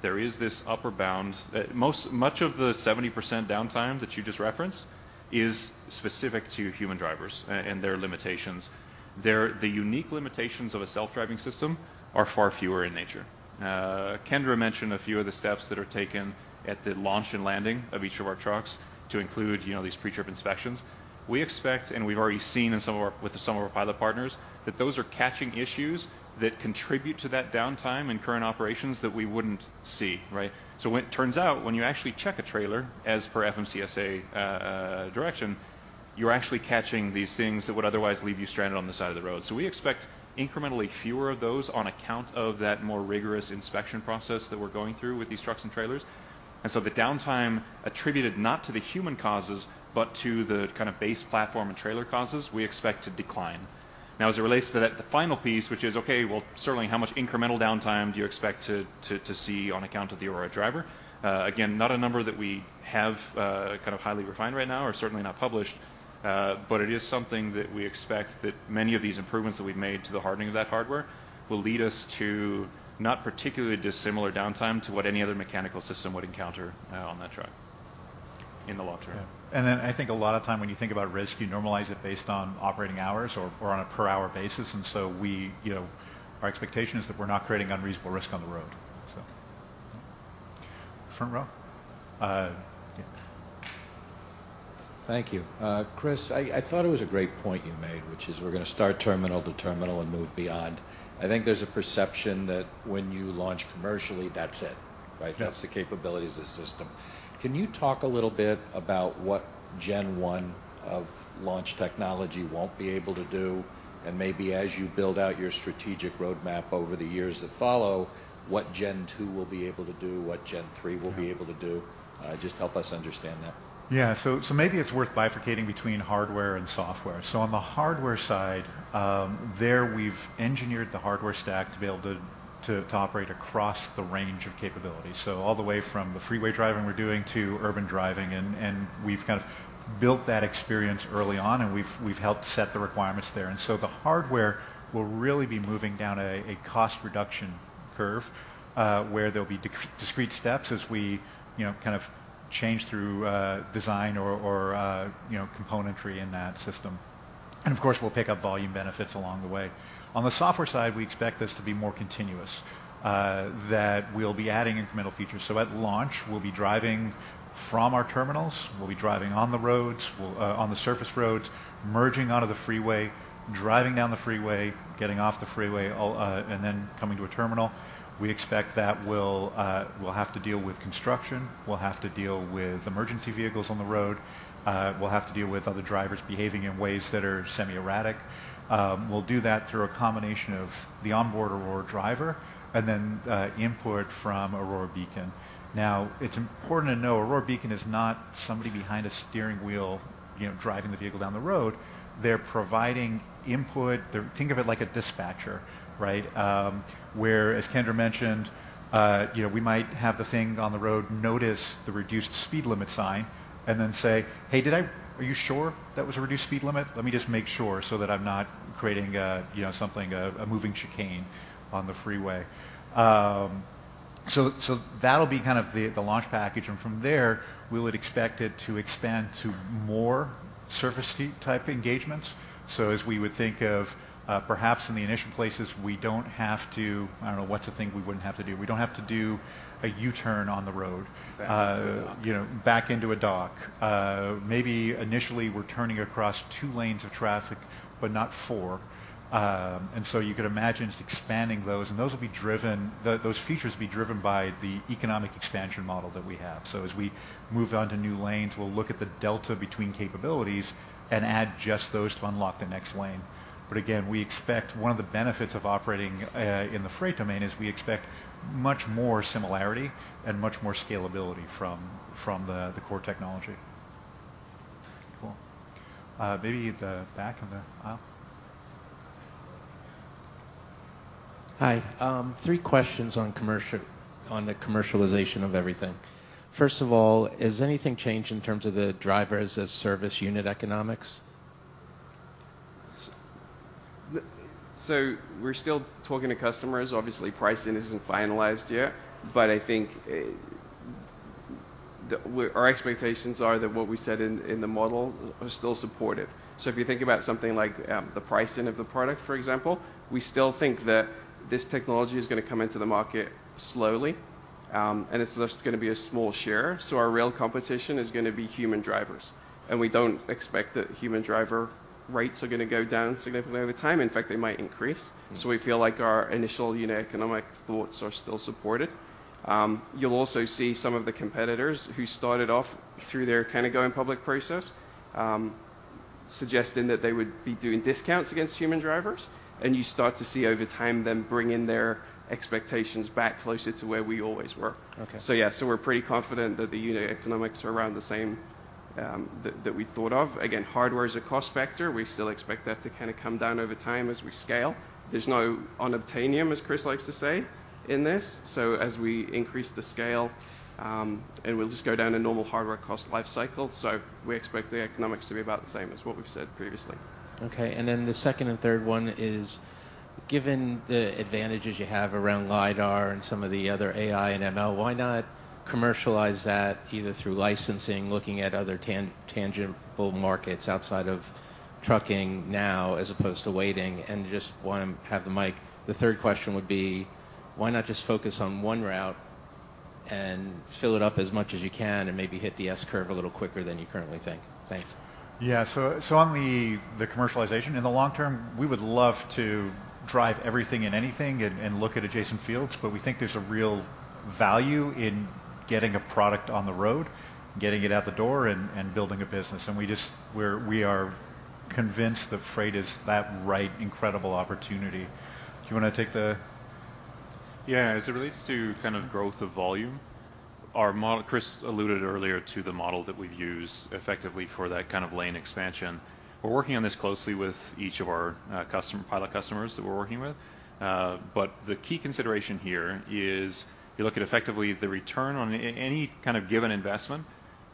there is this upper bound. Much of the 70% downtime that you just referenced is specific to human drivers and their limitations. The unique limitations of a self-driving system are far fewer in nature. Kendra mentioned a few of the steps that are taken at the launch and landing of each of our trucks to include, you know, these pre-trip inspections. We expect, and we've already seen in some of our pilot partners, that those are catching issues that contribute to that downtime in current operations that we wouldn't see, right? When it turns out you actually check a trailer, as per FMCSA direction, you're actually catching these things that would otherwise leave you stranded on the side of the road. We expect incrementally fewer of those on account of that more rigorous inspection process that we're going through with these trucks and trailers. The downtime attributed not to the human causes, but to the kind of base platform and trailer causes, we expect to decline. Now, as it relates to that, the final piece, which is okay, certainly how much incremental downtime do you expect to see on account of the Aurora Driver? Again, not a number that we have, kind of highly refined right now or certainly not published. It is something that we expect that many of these improvements that we've made to the hardening of that hardware will lead us to not particularly dissimilar downtime to what any other mechanical system would encounter, on that truck in the long term. Yeah. I think a lot of time when you think about risk, you normalize it based on operating hours or on a per hour basis. We, you know, our expectation is that we're not creating unreasonable risk on the road. Front row. Yeah. Thank you. Chris, I thought it was a great point you made, which is we're gonna start terminal to terminal and move beyond. I think there's a perception that when you launch commercially, that's it, right? Yeah. That's the capabilities of the system. Can you talk a little bit about what gen one of launch technology won't be able to do, and maybe as you build out your strategic roadmap over the years that follow, what gen two will be able to do, what gen three will be able to do? Just help us understand that. Yeah. Maybe it's worth bifurcating between hardware and software. On the hardware side, there we've engineered the hardware stack to be able to operate across the range of capabilities. All the way from the freeway driving we're doing to urban driving and we've kind of built that experience early on, and we've helped set the requirements there. The hardware will really be moving down a cost reduction curve, where there'll be discrete steps as we you know kind of change through design or you know componentry in that system. Of course, we'll pick up volume benefits along the way. On the software side, we expect this to be more continuous, that we'll be adding incremental features. At launch, we'll be driving from our terminals, we'll be driving on the roads, we'll on the surface roads, merging out of the freeway, driving down the freeway, getting off the freeway, and then coming to a terminal. We expect that we'll have to deal with construction. We'll have to deal with emergency vehicles on the road. We'll have to deal with other drivers behaving in ways that are semi-erratic. We'll do that through a combination of the onboard Aurora Driver and then input from Aurora Beacon. Now, it's important to know Aurora Beacon is not somebody behind a steering wheel, you know, driving the vehicle down the road. They're providing input. They're. Think of it like a dispatcher, right? Where, as Kendra mentioned, you know, we might have the thing on the road notice the reduced speed limit sign and then say, "Hey, are you sure that was a reduced speed limit? Let me just make sure so that I'm not creating, you know, something, a moving chicane on the freeway." So that'll be kind of the launch package, and from there, we would expect it to expand to more surface-type engagements. As we would think of, perhaps in the initial places, we wouldn't have to do a U-turn on the road. Back into a dock. You know, back into a dock. Maybe initially we're turning across two lanes of traffic but not four. You could imagine us expanding those, and those will be driven, those features will be driven by the economic expansion model that we have. As we move on to new lanes, we'll look at the delta between capabilities and add just those to unlock the next lane. Again, we expect one of the benefits of operating in the freight domain is we expect much more similarity and much more scalability from the core technology. Cool. Maybe the back of the aisle. Hi. Three questions on commercial, on the commercialization of everything. First of all, has anything changed in terms of the driver as a service unit economics? We're still talking to customers. Obviously, pricing isn't finalized yet. I think our expectations are that what we said in the model are still supported. If you think about something like the pricing of the product, for example, we still think that this technology is gonna come into the market slowly, and it's just gonna be a small share. Our real competition is gonna be human drivers, and we don't expect that human driver rates are gonna go down significantly over time. In fact, they might increase. We feel like our initial unit economic thoughts are still supported. You'll also see some of the competitors who started off through their kind of going public process, suggesting that they would be doing discounts against human drivers, and you start to see over time them bring in their expectations back closer to where we always were. Okay. We're pretty confident that the unit economics are around the same, that we thought of. Again, hardware is a cost factor. We still expect that to kinda come down over time as we scale. There's no unobtainium, as Chris likes to say, in this. As we increase the scale, it will just go down a normal hardware cost life cycle. We expect the economics to be about the same as what we've said previously. Okay. The second and third one is, given the advantages you have around lidar and some of the other AI and ML, why not commercialize that either through licensing, looking at other tangible markets outside of trucking now as opposed to waiting? Just while I have the mic, the third question would be, why not just focus on one route and fill it up as much as you can and maybe hit the S-curve a little quicker than you currently think? Thanks. Yeah. On the commercialization, in the long term, we would love to drive everything and anything and look at adjacent fields, but we think there's a real value in getting a product on the road, getting it out the door, and building a business. We are convinced that freight is that right, incredible opportunity. Do you wanna take that? Yeah. As it relates to kind of growth of volume, our model, Chris alluded earlier to the model that we've used effectively for that kind of lane expansion. We're working on this closely with each of our customer, pilot customers that we're working with. But the key consideration here is you look at effectively the return on any kind of given investment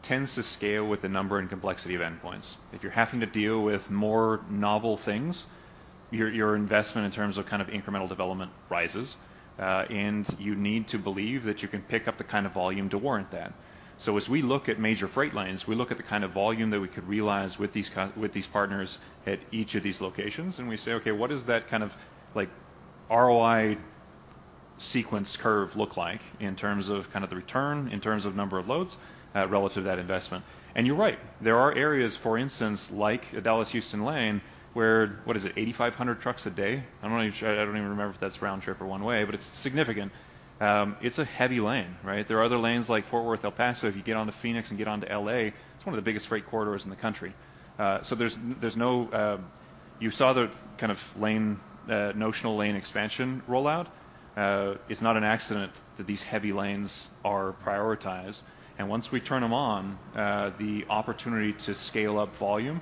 tends to scale with the number and complexity of endpoints. If you're having to deal with more novel things, your investment in terms of kind of incremental development rises, and you need to believe that you can pick up the kind of volume to warrant that. As we look at major freight lines, we look at the kind of volume that we could realize with these partners at each of these locations, and we say, "Okay, what is that kind of, like, ROI S-curve look like in terms of kind of the return, in terms of number of loads, relative to that investment." You're right, there are areas, for instance, like a Dallas-Houston lane where, what is it? 8,500 trucks a day. I don't even remember if that's round trip or one way, but it's significant. It's a heavy lane, right? There are other lanes like Fort Worth, El Paso. If you get onto Phoenix and get onto L.A., it's one of the biggest freight corridors in the country. There's no. You saw the kind of lane, notional lane expansion rollout. It's not an accident that these heavy lanes are prioritized. Once we turn them on, the opportunity to scale up volume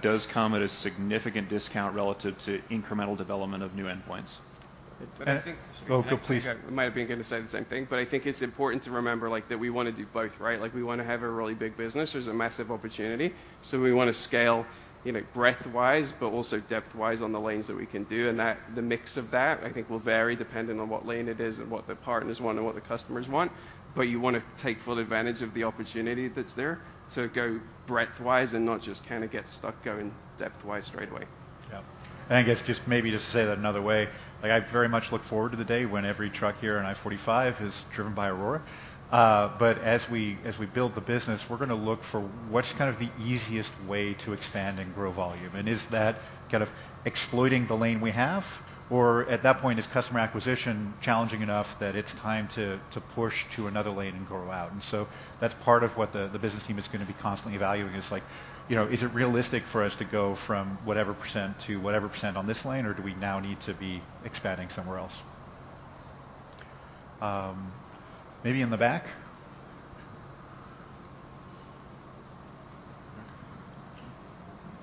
does come at a significant discount relative to incremental development of new endpoints. I think. Oh, go, please. I might have been gonna say the same thing, but I think it's important to remember, like, that we wanna do both, right? Like, we wanna have a really big business. There's a massive opportunity, so we wanna scale, you know, breadth-wise, but also depth-wise on the lanes that we can do. That, the mix of that, I think, will vary depending on what lane it is and what the partners want and what the customers want. You wanna take full advantage of the opportunity that's there to go breadth-wise and not just kinda get stuck going depth-wise straight away. I guess just maybe just to say that another way, like, I very much look forward to the day when every truck here on I-45 is driven by Aurora. But as we build the business, we're gonna look for what's kind of the easiest way to expand and grow volume. Is that kind of exploiting the lane we have, or at that point, is customer acquisition challenging enough that it's time to push to another lane and grow out? That's part of what the business team is gonna be constantly evaluating is, like, you know, is it realistic for us to go from whatever% to whatever% on this lane or do we now need to be expanding somewhere else? Maybe in the back.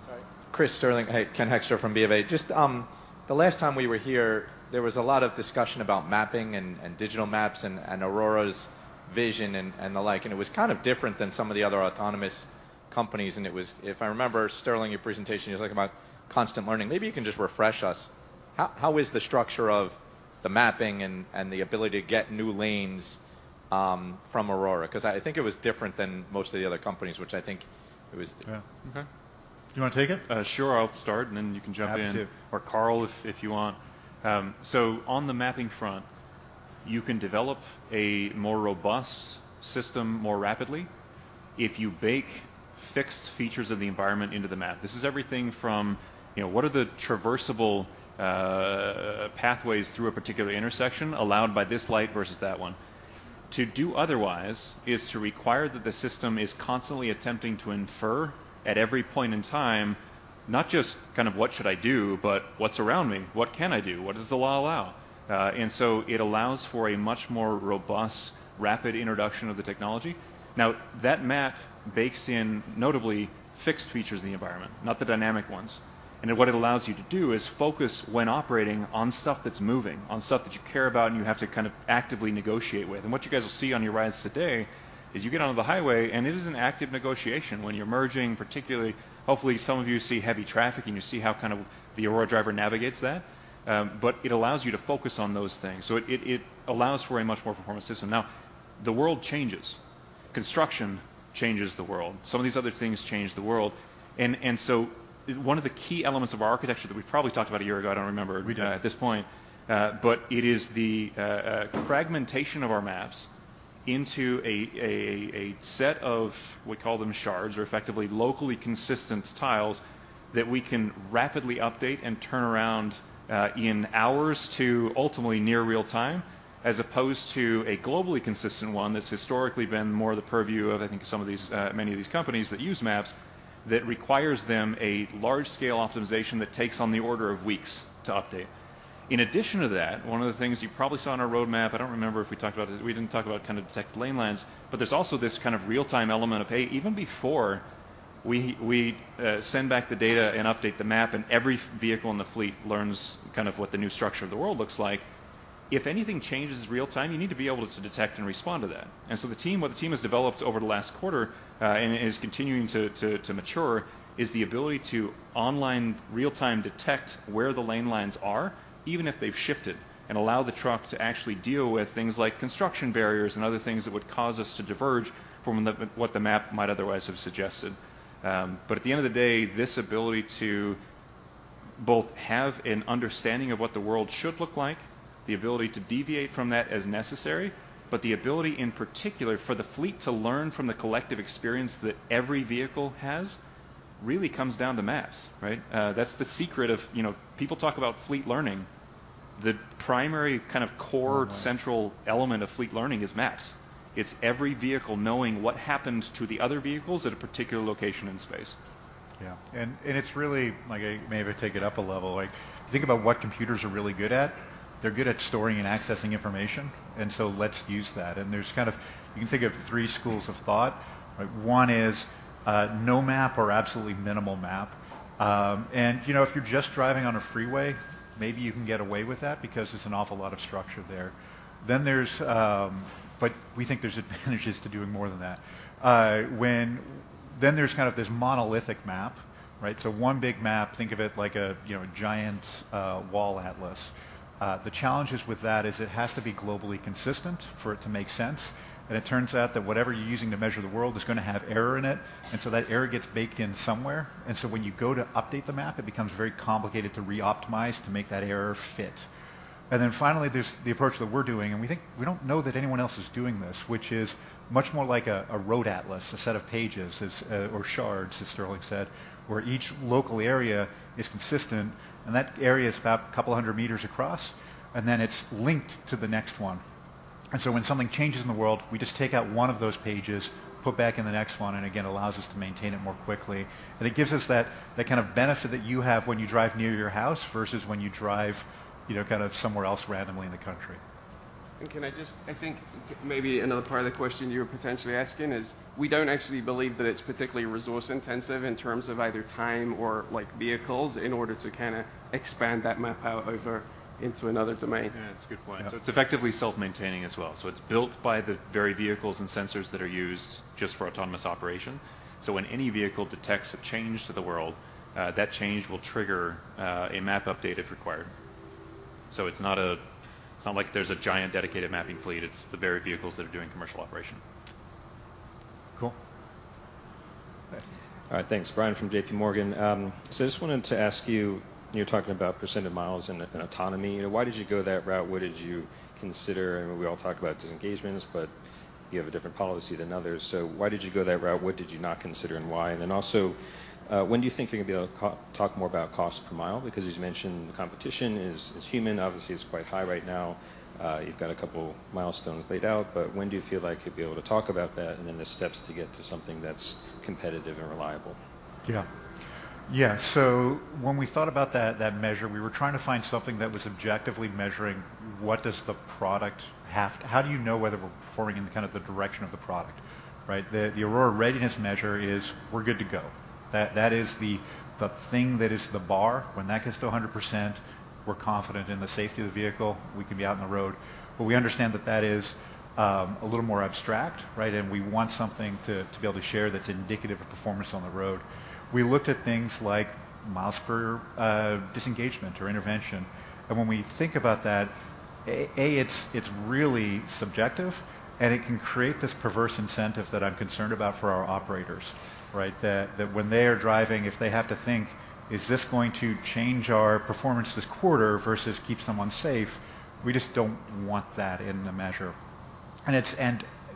Sorry. Chris, Sterling. Hey, Ken Hoexter from Bank of America. Just, the last time we were here, there was a lot of discussion about mapping and digital maps and Aurora's vision and the like, and it was kind of different than some of the other autonomous companies and it was. If I remember, Sterling, your presentation, you were talking about constant learning. Maybe you can just refresh us. How is the structure of the mapping and the ability to get new lanes from Aurora? Cause I think it was different than most of the other companies, which I think it was- Okay. Do you wanna take it? Sure. I'll start and then you can jump in. Happy to. Or, Carl, if you want. On the mapping front, you can develop a more robust system more rapidly if you bake fixed features of the environment into the map. This is everything from, you know, what are the traversable pathways through a particular intersection allowed by this light versus that one? To do otherwise is to require that the system is constantly attempting to infer at every point in time not just kind of what should I do, but what's around me? What can I do? What does the law allow? It allows for a much more robust, rapid introduction of the technology. Now, that map bakes in notably fixed features in the environment, not the dynamic ones. What it allows you to do is focus when operating on stuff that's moving, on stuff that you care about and you have to kind of actively negotiate with. What you guys will see on your rides today is you get onto the highway and it is an active negotiation when you're merging, particularly, hopefully some of you see heavy traffic and you see how kind of the Aurora Driver navigates that. But it allows you to focus on those things. It allows for a much more performant system. Now, the world changes. Construction changes the world. Some of these other things change the world. One of the key elements of our architecture that we probably talked about a year ago, I don't remember. We did. At this point. It is the fragmentation of our maps into a set of, we call them shards or effectively locally consistent tiles that we can rapidly update and turn around in hours to ultimately near real time, as opposed to a globally consistent one that's historically been more the purview of I think some of these many of these companies that use maps that requires them a large scale optimization that takes on the order of weeks to update. In addition to that, one of the things you probably saw on our roadmap. I don't remember if we talked about it. We didn't talk about kind of detect lane lines, but there's also this kind of real-time element of, hey, even before we send back the data and update the map and every vehicle in the fleet learns kind of what the new structure of the world looks like. If anything changes real time, you need to be able to detect and respond to that. The team, what the team has developed over the last quarter and is continuing to mature is the ability to online real time detect where the lane lines are, even if they've shifted, and allow the truck to actually deal with things like construction barriers and other things that would cause us to diverge from the, what the map might otherwise have suggested. At the end of the day, this ability to both have an understanding of what the world should look like, the ability to deviate from that as necessary, but the ability in particular for the fleet to learn from the collective experience that every vehicle has really comes down to maps, right? That's the secret of, you know, people talk about fleet learning. The primary kind of corecentral element of fleet learning is maps. It's every vehicle knowing what happened to the other vehicles at a particular location in space. Yeah. It's really, like maybe if I take it up a level, like think about what computers are really good at. They're good at storing and accessing information, so let's use that. There's kind of, you can think of three schools of thought, right? One is no map or absolutely minimal map. You know, if you're just driving on a freeway, maybe you can get away with that because there's an awful lot of structure there. We think there's advantages to doing more than that. There's kind of this monolithic map, right? So one big map, think of it like a, you know, a Giant Wall Atlas. The challenges with that is it has to be globally consistent for it to make sense, and it turns out that whatever you're using to measure the world is gonna have error in it, and so that error gets baked in somewhere. When you go to update the map, it becomes very complicated to re-optimize to make that error fit. Finally, there's the approach that we're doing, and we think, we don't know that anyone else is doing this, which is much more like a road atlas, a set of pages as, or shards, as Sterling said, where each local area is consistent, and that area is about a couple 100 meters across, and then it's linked to the next one. When something changes in the world, we just take out one of those pages, put back in the next one, and again, allows us to maintain it more quickly. It gives us that kind of benefit that you have when you drive near your house versus when you drive, you know, kind of somewhere else randomly in the country. Can I just, I think maybe another part of the question you were potentially asking is, we don't actually believe that it's particularly resource intensive in terms of either time or, like, vehicles in order to kinda expand that map out over into another domain. Yeah, that's a good point. It's effectively self-maintaining as well. It's built by the very vehicles and sensors that are used just for autonomous operation. When any vehicle detects a change to the world, that change will trigger a map update if required. It's not like there's a giant dedicated mapping fleet, it's the very vehicles that are doing commercial operation. Cool. All right. Thanks. Brian from JPMorgan. I just wanted to ask you know, talking about percent of miles and autonomy, you know, why did you go that route? What did you consider? I mean, we all talk about disengagements, but you have a different policy than others. Why did you go that route? What did you not consider, and why? Then also, when do you think you're gonna be able to talk more about cost per mile? Because as you mentioned, the competition is human. Obviously, it's quite high right now. You've got a couple milestones laid out, but when do you feel like you'll be able to talk about that and then the steps to get to something that's competitive and reliable? Yeah. When we thought about that measure, we were trying to find something that was objectively measuring what does the product have. How do you know whether we're performing in kind of the direction of the product, right? The Autonomy Readiness Measure is we're good to go. That is the thing that is the bar. When that gets to 100%, we're confident in the safety of the vehicle, we can be out on the road. We understand that that is a little more abstract, right? We want something to be able to share that's indicative of performance on the road. We looked at things like miles per disengagement or intervention. When we think about that, it's really subjective, and it can create this perverse incentive that I'm concerned about for our operators, right? That when they are driving, if they have to think, "Is this going to change our performance this quarter versus keep someone safe?" We just don't want that in the measure.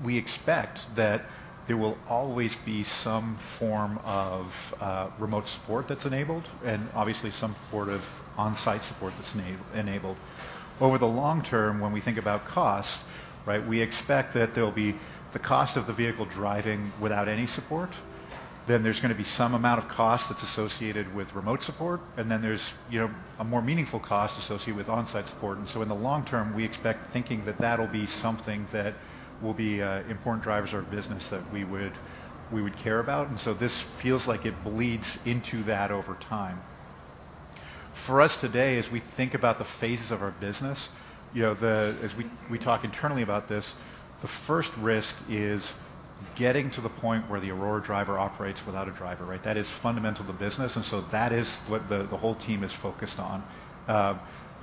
We expect that there will always be some form of remote support that's enabled and obviously some form of on-site support that's enabled. Over the long term, when we think about cost, right, we expect that there'll be the cost of the vehicle driving without any support, then there's gonna be some amount of cost that's associated with remote support, and then there's, you know, a more meaningful cost associated with on-site support. In the long term, we expect thinking that that'll be something that will be important drivers of business that we would care about. This feels like it bleeds into that over time. For us today, as we think about the phases of our business, you know. As we talk internally about this, the first risk is getting to the point where the Aurora Driver operates without a driver, right? That is fundamental to business, and so that is what the whole team is focused on.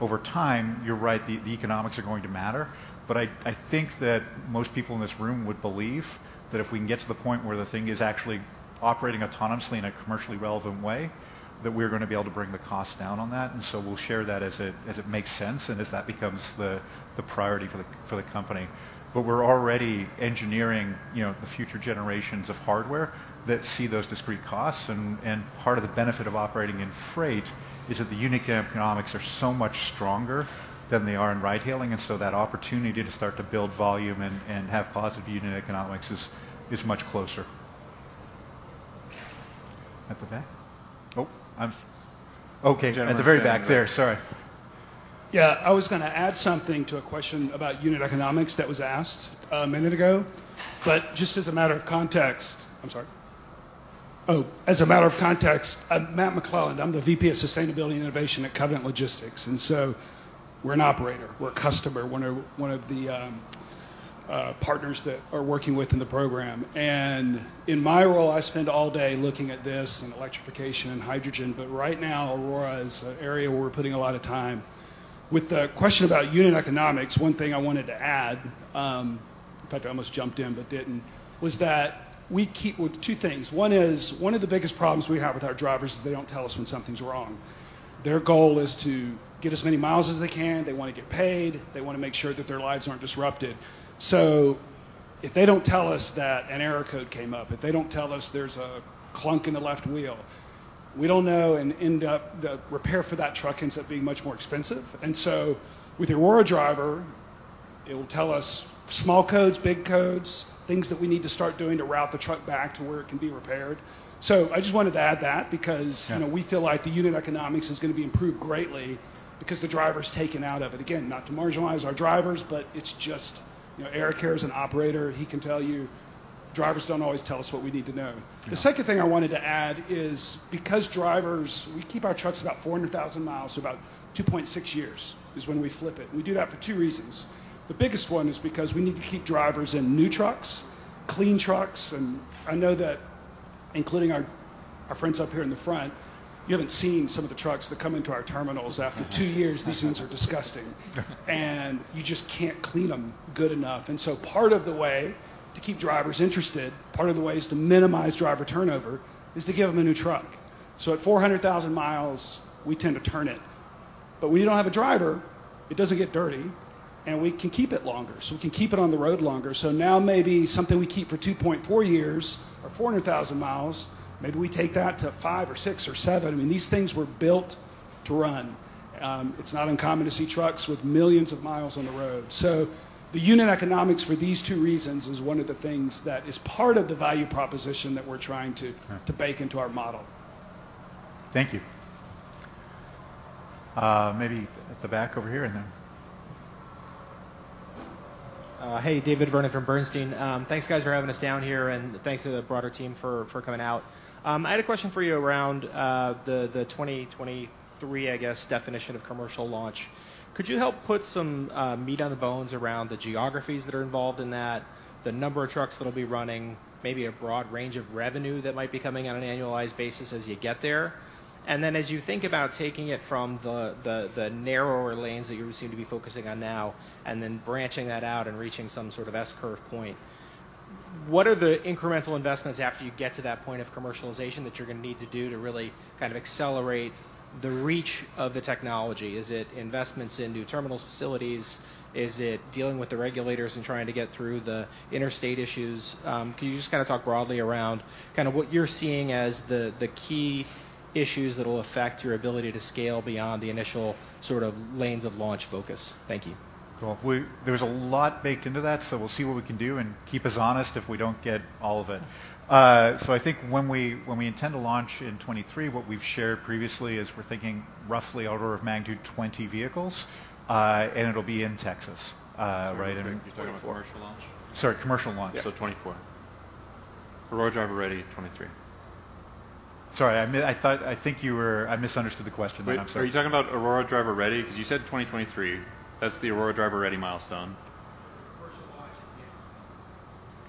Over time, you're right, the economics are going to matter. I think that most people in this room would believe that if we can get to the point where the thing is actually operating autonomously in a commercially relevant way, that we're gonna be able to bring the cost down on that. We'll share that as it makes sense and as that becomes the priority for the company. We're already engineering, you know, the future generations of hardware that see those discrete costs. Part of the benefit of operating in freight is that the unit economics are so much stronger than they are in ride hailing, and so that opportunity to start to build volume and have positive unit economics is much closer. At the back? Okay, at the very back there. Sorry. Yeah. I was gonna add something to a question about unit economics that was asked a minute ago. As a matter of context, I'm Matt McLelland, VP of Sustainability and Innovation at Covenant Logistics. We're an operator, we're a customer, one of the partners that are working with in the program. In my role, I spend all day looking at this and electrification and hydrogen, but right now, Aurora is an area where we're putting a lot of time. With the question about unit economics, one thing I wanted to add, in fact, I almost jumped in but didn't, was that we keep two things. One is, one of the biggest problems we have with our drivers is they don't tell us when something's wrong. Their goal is to get as many miles as they can. They wanna get paid. They wanna make sure that their lives aren't disrupted. If they don't tell us that an error code came up, if they don't tell us there's a clunk in the left wheel, we don't know and end up the repair for that truck ends up being much more expensive. With the Aurora Driver, it will tell us small codes, big codes, things that we need to start doing to route the truck back to where it can be repaired. I just wanted to add that because. Yeah. You know, we feel like the unit economics is gonna be improved greatly because the driver's taken out of it. Again, not to marginalize our drivers, but it's just. You know, Eric here is an operator. He can tell you, drivers don't always tell us what we need to know. Yeah. The second thing I wanted to add is because drivers, we keep our trucks about 400,000 mi, so about 2.6 years is when we flip it. We do that for two reasons. The biggest one is because we need to keep drivers in new trucks, clean trucks. I know that including our friends up here in the front, you haven't seen some of the trucks that come into our terminals after two years. These things are disgusting. Yeah. You just can't clean them good enough. Part of the way to keep drivers interested, part of the way is to minimize driver turnover, is to give them a new truck. At 400,000 mi, we tend to turn it. When you don't have a driver, it doesn't get dirty, and we can keep it longer. We can keep it on the road longer. Now maybe something we keep for 2.4 years or 400,000 mi, maybe we take that to five or six or seven. I mean, these things were built to run. It's not uncommon to see trucks with millions of miles on the road. The unit economics for these two reasons is one of the things that is part of the value proposition that we're to, to bake into our model. Thank you. Maybe at the back over here and then. Hey, David Vernon from Bernstein. Thanks, guys, for having us down here, and thanks to the broader team for coming out. I had a question for you around the 2023, I guess, definition of commercial launch. Could you help put some meat on the bones around the geographies that are involved in that, the number of trucks that'll be running, maybe a broad range of revenue that might be coming on an annualized basis as you get there? Then as you think about taking it from the narrower lanes that you seem to be focusing on now and then branching that out and reaching some sort of S-curve point, what are the incremental investments after you get to that point of commercialization that you're gonna need to do to really kind of accelerate the reach of the technology? Is it investments in new terminals, facilities? Is it dealing with the regulators and trying to get through the interstate issues? Can you just kinda talk broadly around kinda what you're seeing as the key issues that'll affect your ability to scale beyond the initial sort of lanes of launch focus? Thank you. Cool. There's a lot baked into that, so we'll see what we can do. Keep us honest if we don't get all of it. I think when we intend to launch in 2023, what we've shared previously is we're thinking roughly order of magnitude 20 vehicles, and it'll be in Texas, right in 2024. You're talking about commercial launch? Sorry, commercial launch 2024. Aurora Driver Ready, 2023? Sorry, I misunderstood the question then. I'm sorry. Wait, were you talking about Aurora Driver Ready? 'Cause you said 2023. That's the Aurora Driver Ready milestone.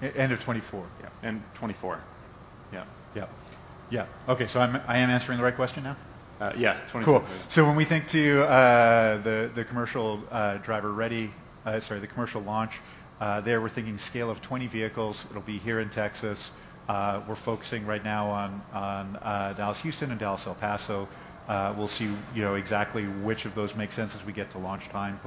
Commercial launch at the end of 2024. End of 2024. Yeah. Yeah. Yeah. Okay, so I am answering the right question now? Yeah. 2024. Cool. When we think about the commercial launch, there we're thinking scale of 20 vehicles. It'll be here in Texas. We're focusing right now on Dallas-Houston and Dallas-El Paso. We'll see, you know, exactly which of those make sense as we get to launch time.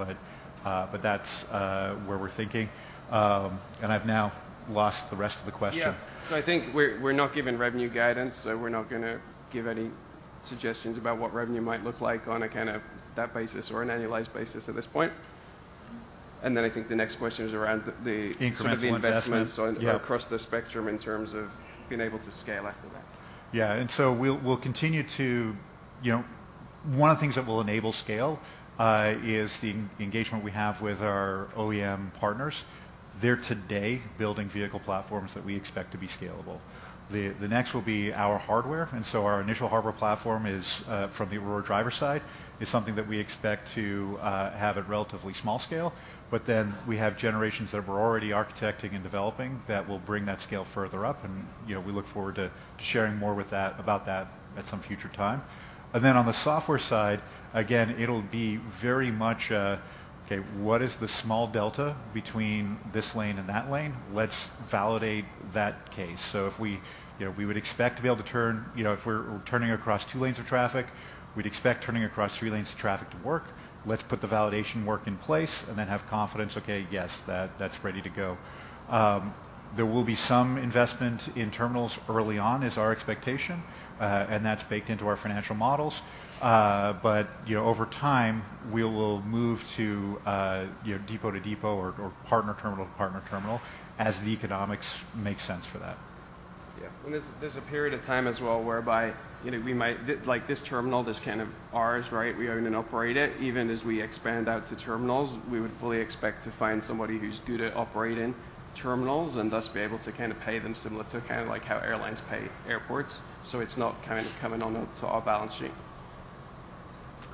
That's where we're thinking. I've now lost the rest of the question. Yeah. I think we're not giving revenue guidance, so we're not gonna give any suggestions about what revenue might look like on a kind of that basis or an annualized basis at this point. I think the next question is around the... Incremental investments. Yeah... sort of the investments on, across the spectrum in terms of being able to scale after that? Yeah. We'll continue to. You know, one of the things that will enable scale is the engagement we have with our OEM partners. They're today building vehicle platforms that we expect to be scalable. The next will be our hardware, and our initial hardware platform from the Aurora Driver side is something that we expect to have at relatively small scale. But then we have generations that we're already architecting and developing that will bring that scale further up, and, you know, we look forward to sharing more about that at some future time. Then on the software side, again, it'll be very much, okay, what is the small delta between this lane and that lane? Let's validate that case. If we would expect to be able to turn, if we're turning across two lanes of traffic, we'd expect turning across three lanes of traffic to work. Let's put the validation work in place and then have confidence, that's ready to go. There will be some investment in terminals early on, is our expectation, and that's baked into our financial models. Over time, we will move to depot to depot or partner terminal to partner terminal as the economics make sense for that. Yeah. There's a period of time as well whereby, you know, we might like this terminal that's kind of ours, right? We own and operate it. Even as we expand out to terminals, we would fully expect to find somebody who's good at operating terminals and thus be able to kinda pay them similar to kinda like how airlines pay airports, so it's not kind of coming onto our balance sheet.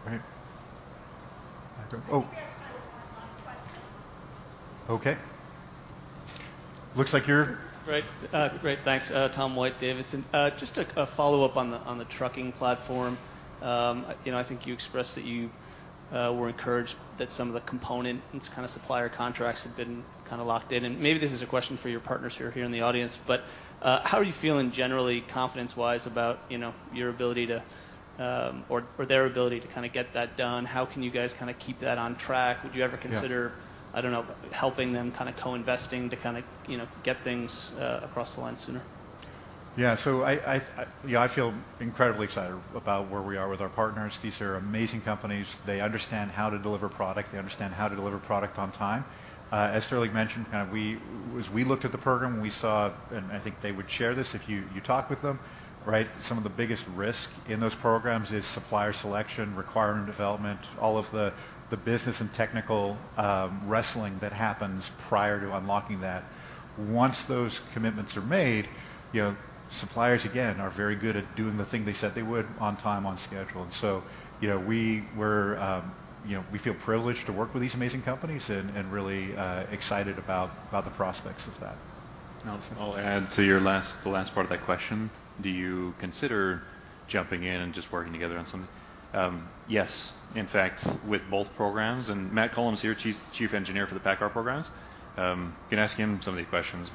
Right. Oh. I think we have time for one last question. Okay. Looks like you're Great. Great. Thanks. Tom White, D.A. Davidson. Just a follow-up on the trucking platform. You know, I think you expressed that you were encouraged that some of the component and kinda supplier contracts had been kinda locked in. Maybe this is a question for your partners who are here in the audience. How are you feeling generally confidence-wise about, you know, your ability to, or their ability to kinda get that done? How can you guys kinda keep that on track? Yeah. Would you ever consider, I don't know, helping them, kinda co-investing to kinda, you know, get things across the line sooner? Yeah. I you know, I feel incredibly excited about where we are with our partners. These are amazing companies. They understand how to deliver product. They understand how to deliver product on time. As Sterling mentioned, kind of we, as we looked at the program, we saw, and I think they would share this if you talk with them, right? Some of the biggest risk in those programs is supplier selection, requirement development, all of the business and technical wrestling that happens prior to unlocking that. Once those commitments are made, you know, suppliers, again, are very good at doing the thing they said they would on time, on schedule. You know, we feel privileged to work with these amazing companies and really excited about the prospects of that. I'll add to the last part of that question. Do you consider jumping in and just working together on something? Yes. In fact, with both programs, and Matt Cullum's here, chief engineer for the PACCAR programs. You can ask him some of these questions.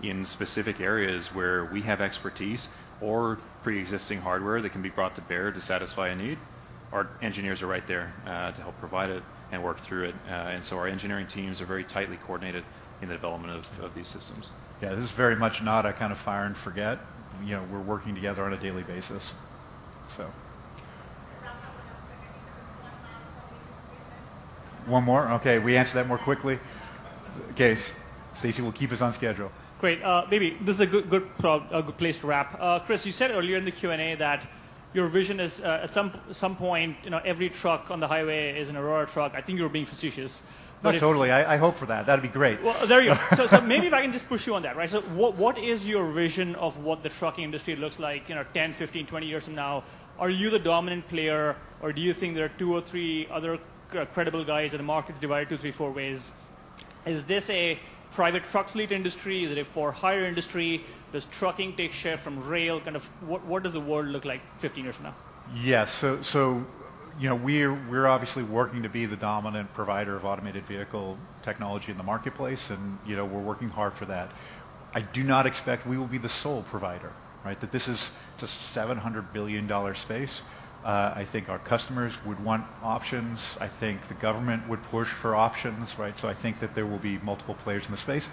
In specific areas where we have expertise or preexisting hardware that can be brought to bear to satisfy a need. Our engineers are right there to help provide it and work through it. Our engineering teams are very tightly coordinated in the development of these systems. Yeah, this is very much not a kind of fire and forget. You know, we're working together on a daily basis, so. One more? Okay. We answered that more quickly? Okay. Stacy will keep us on schedule. Great. Maybe this is a good place to wrap. Chris, you said earlier in the Q&A that your vision is, at some point, you know, every truck on the highway is an Aurora truck. I think you were being facetious. If- No, totally. I hope for that. That'd be great. Well, there you go. Maybe if I can just push you on that, right? What is your vision of what the trucking industry looks like, you know, 10, 15, 20 years from now? Are you the dominant player or do you think there are two or three other credible guys and the market's divided two, three, four ways? Is this a private truck fleet industry? Is it a for-hire industry? Does trucking take share from rail? Kind of what does the world look like 15 years from now? Yes, you know, we're obviously working to be the dominant provider of automated vehicle technology in the marketplace and, you know, we're working hard for that. I do not expect we will be the sole provider, right? That this is just $700 billion space. I think our customers would want options. I think the government would push for options, right? I think that there will be multiple players in the space,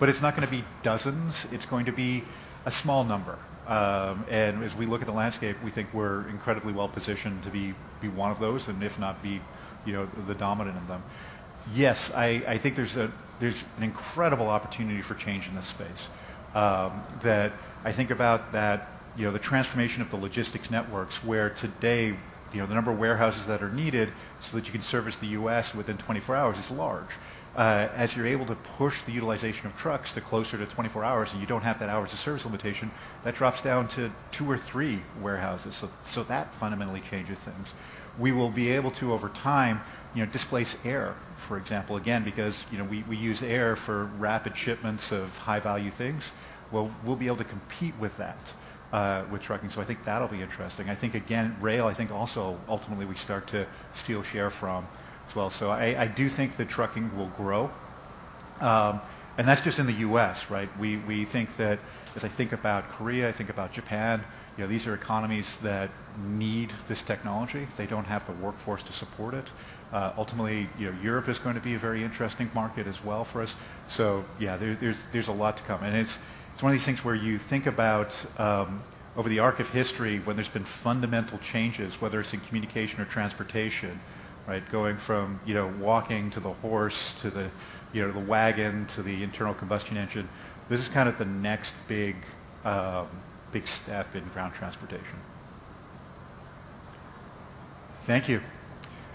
but it's not gonna be dozens. It's going to be a small number. As we look at the landscape, we think we're incredibly well positioned to be one of those and if not be, you know, the dominant in them. Yes, I think there's an incredible opportunity for change in this space that I think about, you know, the transformation of the logistics networks where today, you know, the number of warehouses that are needed so that you can service the U.S. within 24 hours is large. As you're able to push the utilization of trucks to closer to 24 hours and you don't have that hours of service limitation, that drops down to two or three warehouses. That fundamentally changes things. We will be able to over time, you know, displace air, for example. Again, because, you know, we use air for rapid shipments of high-value things. Well, we'll be able to compete with that with trucking, so I think that'll be interesting. I think again, rail, I think also ultimately we start to steal share from as well. I do think that trucking will grow. That's just in the U.S., right? We think that as I think about Korea, I think about Japan, you know, these are economies that need this technology. They don't have the workforce to support it. Ultimately, you know, Europe is going to be a very interesting market as well for us. Yeah, there's a lot to come. It's one of these things where you think about over the arc of history when there's been fundamental changes, whether it's in communication or transportation, right? Going from, you know, walking to the horse, to the wagon, to the internal combustion engine. This is kind of the next big step in ground transportation. Thank you.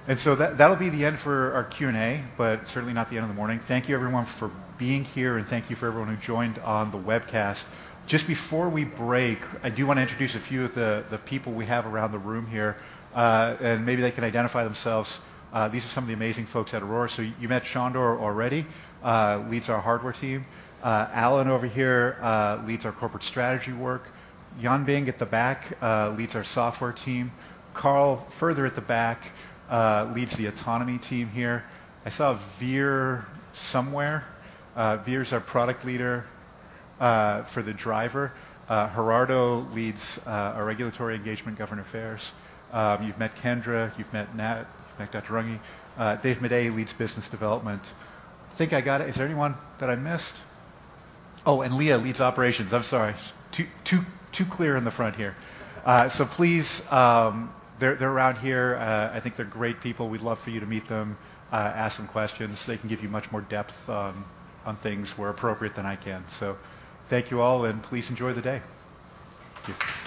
That'll be the end for our Q&A, but certainly not the end of the morning. Thank you everyone for being here and thank you for everyone who joined on the webcast. Just before we break, I do wanna introduce a few of the people we have around the room here, and maybe they can identify themselves. These are some of the amazing folks at Aurora. You met Sandor already, leads our Hardware team. Alan over here, leads our Corporate Strategy work. Yanbing at the back, leads our Software team. Carl further at the back, leads the Autonomy team here. I saw Veer somewhere. Veer's our product leader, for the driver. Gerardo leads, our Regulatory Engagement government affairs. You've met Kendra, you've met Nat, you've met Dr. Runge. Dave Maday leads Business Development. I think I got it. Is there anyone that I missed? Oh, and Leah leads operations. I'm sorry. Too clear in the front here. Please, they're around here. I think they're great people. We'd love for you to meet them, ask them questions. They can give you much more depth on things where appropriate than I can. Thank you all and please enjoy the day. Thank you.